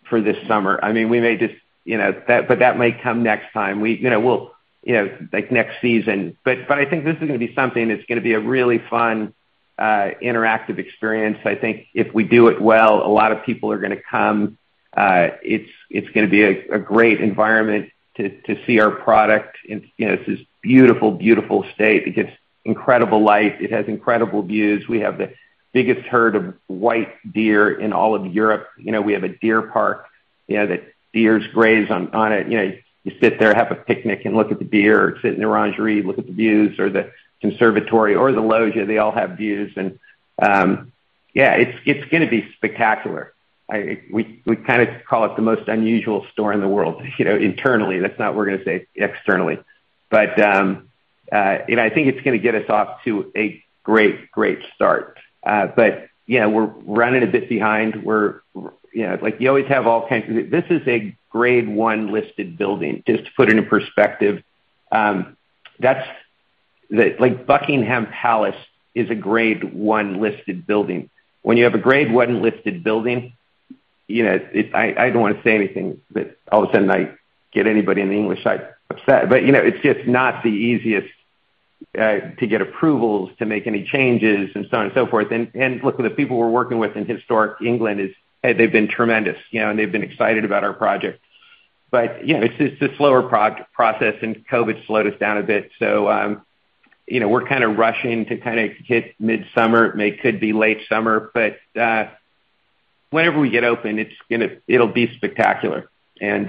for this summer. I mean, we may just, you know, that may come next time. We'll, you know, like, next season. But I think this is gonna be something that's gonna be a really fun, interactive experience. I think if we do it well, a lot of people are gonna come. It's gonna be a great environment to see our product in, you know, this beautiful state. It gets incredible light. It has incredible views. We have the biggest herd of white deer in all of Europe. You know, we have a deer park, you know, that deer graze on it. You know, you sit there, have a picnic, and look at the deer or sit in the Orangery, look at the views or the Conservatory or the Loggia. They all have views and, yeah, it's gonna be spectacular. We kinda call it the most unusual store in the world, you know, internally. That's not what we're gonna say externally. You know, I think it's gonna get us off to a great start. You know, we're running a bit behind. You know, like, you always have all kinds of... This is a Grade I listed building, just to put it in perspective. That's... The-- like, Buckingham Palace is a Grade I listed building. When you have a Grade I listed building, you know, it's-- I don't wanna say anything that all of a sudden I get anybody on the English side upset, but, you know, it's just not the easiest to get approvals to make any changes and so on and so forth. Look, the people we're working with in Historic England-- they've been tremendous, you know, and they've been excited about our project. Yeah, it's just a slower process, and COVID slowed us down a bit. You know, we're kinda rushing to kinda hit midsummer. It could be late summer. Whenever we get open, it'll be spectacular, and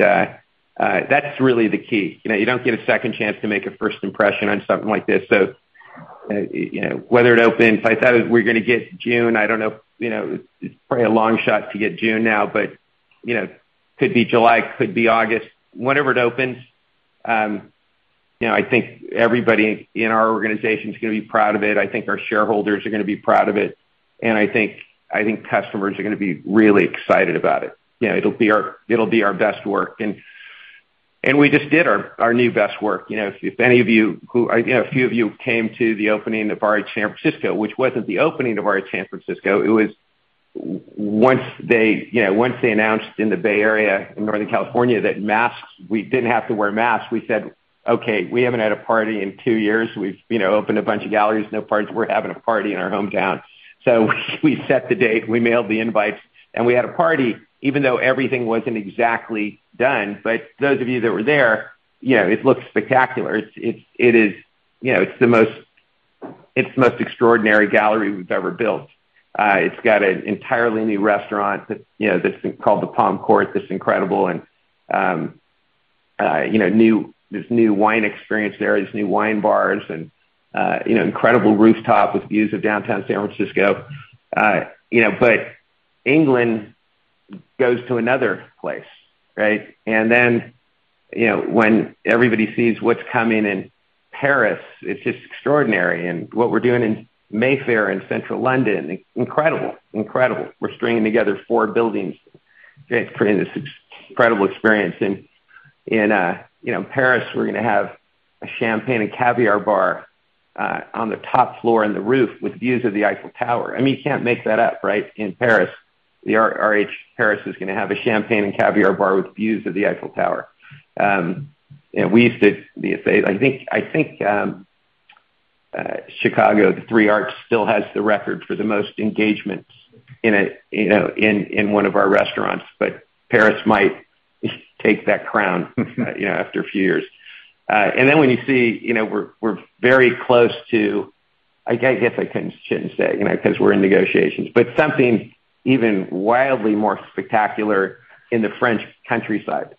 that's really the key. You know, you don't get a second chance to make a first impression on something like this. You know, whether it opens, I thought we're gonna get June. I don't know, you know, it's probably a long shot to get June now, but you know, could be July, could be August. Whenever it opens, you know, I think everybody in our organization is gonna be proud of it. I think our shareholders are gonna be proud of it, and I think customers are gonna be really excited about it. You know, it'll be our best work. We just did our new best work. You know, if any of you who... You know, a few of you came to the opening of RH San Francisco, which wasn't the opening of RH San Francisco. It was once they, you know, once they announced in the Bay Area in Northern California that masks, we didn't have to wear masks, we said, "Okay, we haven't had a party in two years. We've, you know, opened a bunch of galleries, no parties. We're having a party in our hometown." We set the date, we mailed the invites, and we had a party even though everything wasn't exactly done. Those of you that were there, you know, it looks spectacular. It is. You know, it's the most extraordinary Gallery we've ever built. It's got an entirely new restaurant that, you know, that's called the Palm Court that's incredible. You know, this new wine experience there, these new wine bars and, you know, incredible rooftop with views of downtown San Francisco. You know, but England goes to another place, right? You know, when everybody sees what's coming in Paris, it's just extraordinary. What we're doing in Mayfair, in central London, incredible. We're stringing together four buildings to create this incredible experience. You know, in Paris, we're gonna have a Champagne & Caviar Bar, on the top floor on the roof with views of the Eiffel Tower. I mean, you can't make that up, right? In Paris, the RH Paris is gonna have a Champagne & Caviar Bar with views of the Eiffel Tower. You know, we used to... I think Chicago, the 3 Arts Club still has the record for the most engagements in a you know in one of our restaurants, but Paris might take that crown you know after a few years. When you see you know we're very close to I guess I shouldn't say you know 'cause we're in negotiations but something even wildly more spectacular in the French countryside.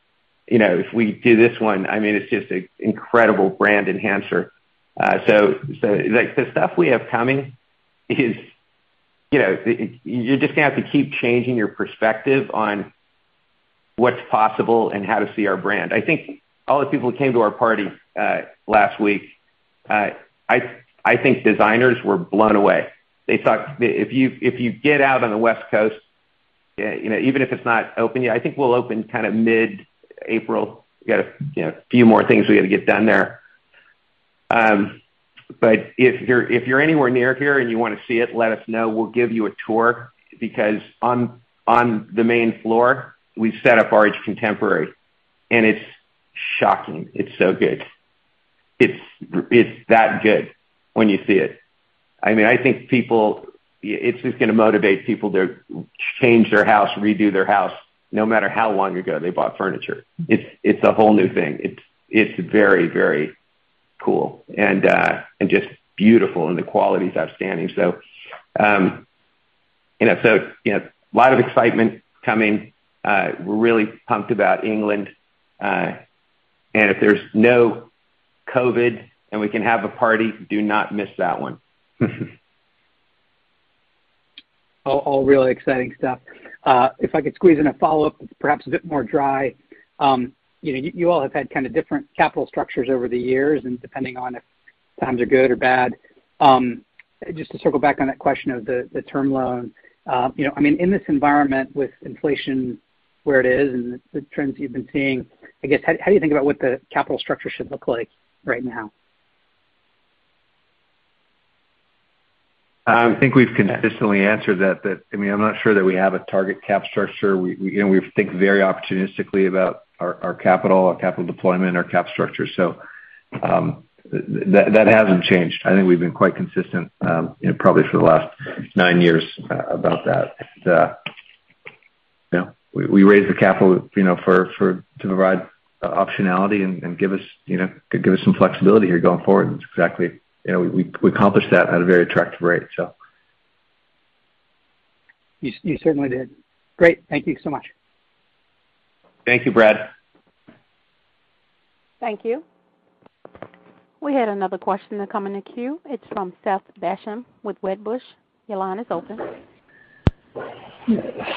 You know if we do this one I mean it's just a incredible brand enhancer. Like the stuff we have coming is you know. You're just gonna have to keep changing your perspective on what's possible and how to see our brand. I think all the people who came to our party last week designers were blown away. They thought if you get out on the West Coast, you know, even if it's not open yet, I think we'll open kinda mid-April. We got a few more things we gotta get done there. If you're anywhere near here and you wanna see it, let us know. We'll give you a tour because on the main floor, we set up RH Contemporary, and it's shocking. It's so good. It's that good when you see it. I mean, I think people. It's just gonna motivate people to change their house, redo their house, no matter how long ago they bought furniture. It's a whole new thing. It's very cool and just beautiful, and the quality is outstanding. You know, a lot of excitement coming. We're really pumped about England. If there's no COVID and we can have a party, do not miss that one. All really exciting stuff. If I could squeeze in a follow-up, perhaps a bit more dry. You know, you all have had kinda different capital structures over the years and depending on if times are good or bad. Just to circle back on that question of the term loan. You know, I mean, in this environment with inflation where it is and the trends you've been seeing, I guess, how do you think about what the capital structure should look like right now? I think we've consistently answered that. I mean, I'm not sure that we have a target cap structure. We, you know, we think very opportunistically about our capital, our capital deployment, our cap structure. That hasn't changed. I think we've been quite consistent, you know, probably for the last nine years about that. You know, we raised the capital, you know, to provide optionality and give us, you know, give us some flexibility here going forward. Exactly, you know, we accomplished that at a very attractive rate, so. You certainly did. Great. Thank you so much. Thank you, Brad. Thank you. We had another question that comes in the queue. It's from Seth Basham with Wedbush. Your line is open.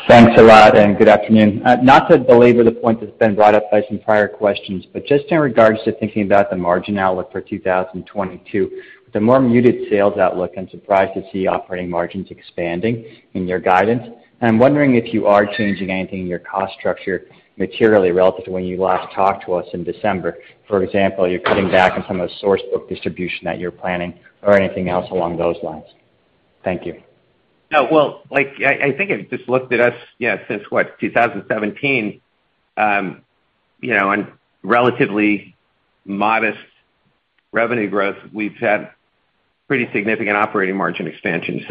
Thanks a lot, and good afternoon. Not to belabor the point that's been brought up by some prior questions, but just in regards to thinking about the margin outlook for 2022, with the more muted sales outlook, I'm surprised to see operating margins expanding in your guidance. I'm wondering if you are changing anything in your cost structure materially relative to when you last talked to us in December. For example, you're cutting back on some of the source book distribution that you're planning or anything else along those lines. Thank you. No. Well, like, I think if you just looked at us, you know, since what, 2017, you know, on relatively modest revenue growth, we've had pretty significant operating margin expansion.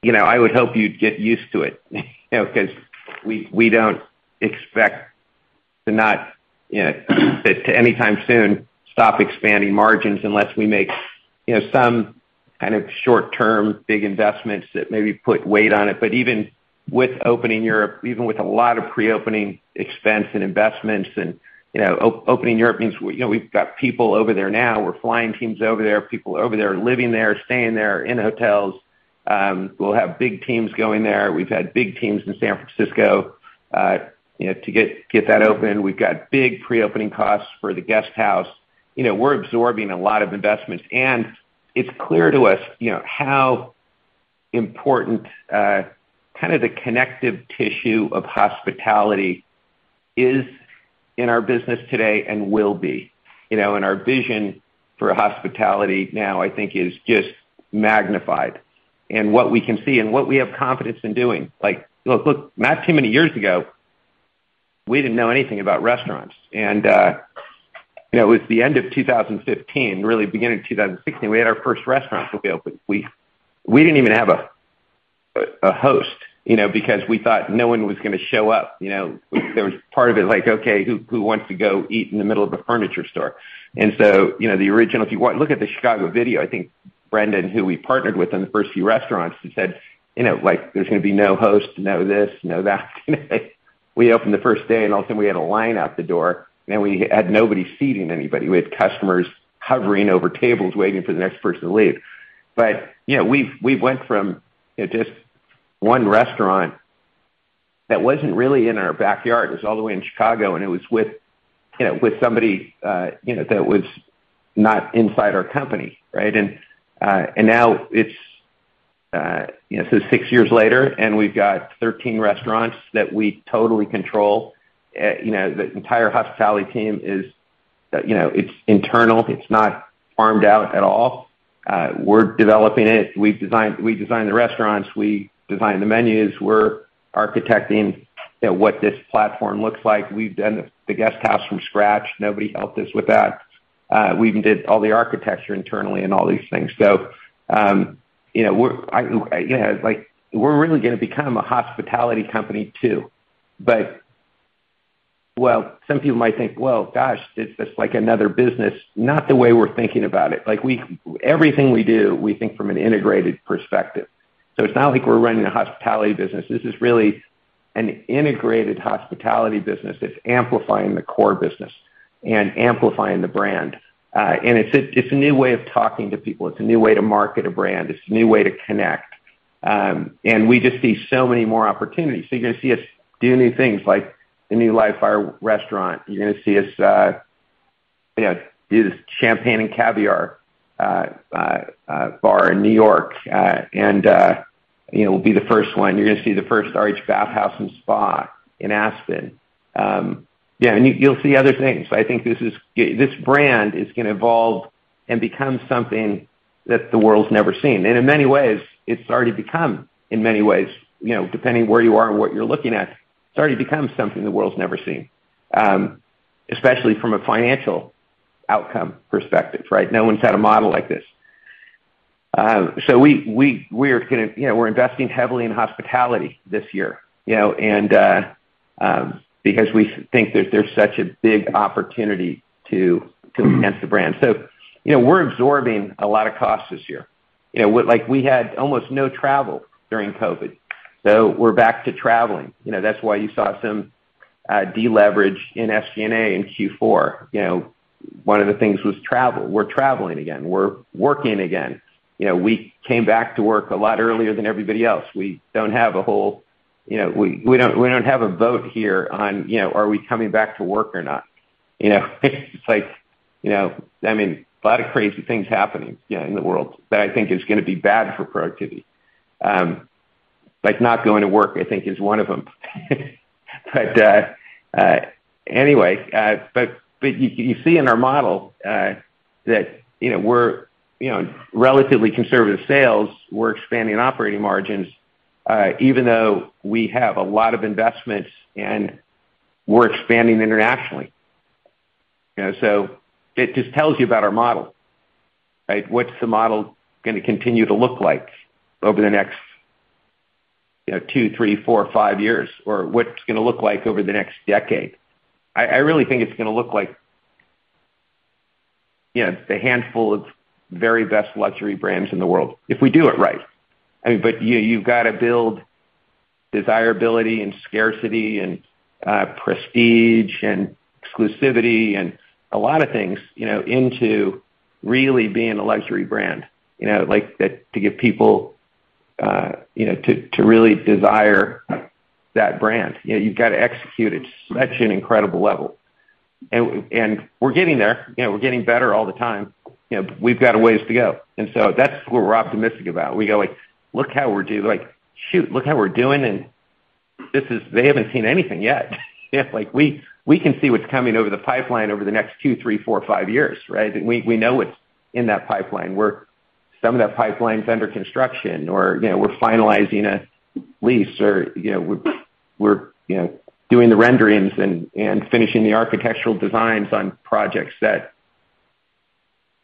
You know, I would hope you'd get used to it, you know, 'cause we don't expect to not, you know, to anytime soon stop expanding margins unless we make, you know, some kind of short term, big investments that maybe put weight on it. Even with opening Europe, even with a lot of pre-opening expense and investments and, you know, opening Europe means, you know, we've got people over there now. We're flying teams over there, people over there, living there, staying there in hotels. We'll have big teams going there. We've had big teams in San Francisco, you know, to get that open. We've got big pre-opening costs for the Guesthouse. You know, we're absorbing a lot of investments, and it's clear to us, you know, how important kind of the connective tissue of hospitality is in our business today and will be. You know, our vision for hospitality now, I think, is just magnified, what we can see and what we have confidence in doing. Like, look, not too many years ago, we didn't know anything about restaurants. You know, it was the end of 2015, really beginning of 2016, we had our first restaurant to be open. We didn't even have a host, you know, because we thought no one was gonna show up, you know? There was part of it like, okay, who wants to go eat in the middle of a furniture store? You know, the original. If you want, look at the Chicago video. I think Brendan, who we partnered with on the first few restaurants, he said, you know, like, "There's gonna be no host, no this, no that." We opened the first day, and all of a sudden we had a line out the door, and we had nobody seating anybody. We had customers hovering over tables waiting for the next person to leave. You know, we've went from, you know, just one restaurant that wasn't really in our backyard. It was all the way in Chicago, and it was with, you know, with somebody, you know, that was not inside our company, right? Now it's you know six years later and we've got 13 restaurants that we totally control. You know the entire hospitality team is you know it's internal. It's not farmed out at all. We're developing it. We design the restaurants we design the menus. We're architecting you know what this platform looks like. We've done the Guesthouse from scratch. Nobody helped us with that. We even did all the architecture internally and all these things. You know we're really gonna become a hospitality company too. Well some people might think well gosh it's just like another business. Not the way we're thinking about it. Everything we do we think from an integrated perspective. It's not like we're running a hospitality business. This is really an integrated hospitality business that's amplifying the core business and amplifying the brand. It's a new way of talking to people. It's a new way to market a brand. It's a new way to connect. We just see so many more opportunities. You're gonna see us do new things like the new Live Fire restaurant. You're gonna see us do this Champagne & Caviar Bar in New York, and you know, it will be the first one. You're gonna see the first RH Bathhouse & Spa in Aspen. You'll see other things. I think this brand is gonna evolve and become something that the world's never seen. In many ways, you know, depending where you are and what you're looking at, it's already become something the world's never seen. Especially from a financial outcome perspective, right? No one's had a model like this. You know, we're investing heavily in hospitality this year, you know, and because we think there's such a big opportunity to enhance the brand. You know, we're absorbing a lot of costs this year. You know, with like we had almost no travel during COVID, so we're back to traveling. You know, that's why you saw some deleverage in SG&A in Q4. You know, one of the things was travel. We're traveling again. We're working again. You know, we came back to work a lot earlier than everybody else. We don't have a whole You know, we don't have a vote here on, you know, are we coming back to work or not, you know? It's like, you know. I mean, a lot of crazy things happening, you know, in the world that I think is gonna be bad for productivity. Like, not going to work, I think is one of them. Anyway, you can see in our model that, you know, we're, you know, relatively conservative sales. We're expanding operating margins, even though we have a lot of investments, and we're expanding internationally. You know, so it just tells you about our model, right? What's the model gonna continue to look like over the next, you know, two, three, four, five years? Or what it's gonna look like over the next decade. I really think it's gonna look like, you know, the handful of very best luxury brands in the world, if we do it right. I mean, but you've gotta build desirability and scarcity and, prestige and exclusivity and a lot of things, you know, into really being a luxury brand. You know, like that to give people, you know, to really desire that brand, you know, you've gotta execute at such an incredible level. We're getting there. You know, we're getting better all the time. You know, we've got a ways to go, and so that's what we're optimistic about. We go like, "Look how we're doing. Like, shoot, look how we're doing, and this is. They haven't seen anything yet." Like we can see what's coming over the pipeline over the next two, three, four, five years, right? We know what's in that pipeline. Some of that pipeline's under construction or, you know, we're finalizing a lease or, you know, we're you know, doing the renderings and finishing the architectural designs on projects that.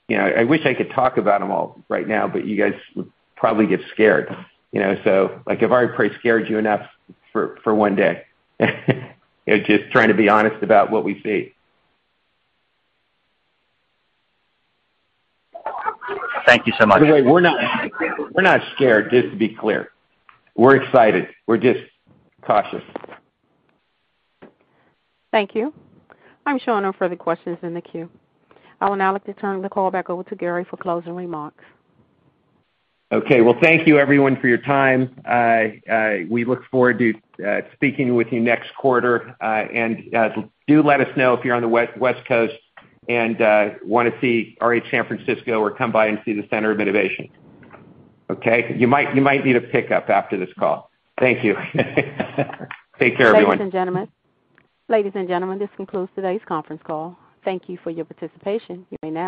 You know, I wish I could talk about them all right now, but you guys would probably get scared, you know? Like I've already probably scared you enough for one day. You know, just trying to be honest about what we see. Thank you so much. By the way, we're not scared, just to be clear. We're excited. We're just cautious. Thank you. I'm showing no further questions in the queue. I would now like to turn the call back over to Gary for closing remarks. Okay. Well, thank you everyone for your time. We look forward to speaking with you next quarter. Do let us know if you're on the west coast and wanna see RH San Francisco or come by and see the Center of Innovation. Okay. You might need a pickup after this call. Thank you. Take care everyone. Ladies and gentlemen. Ladies and gentlemen, this concludes today's conference call. Thank you for your participation. You may now disconnect.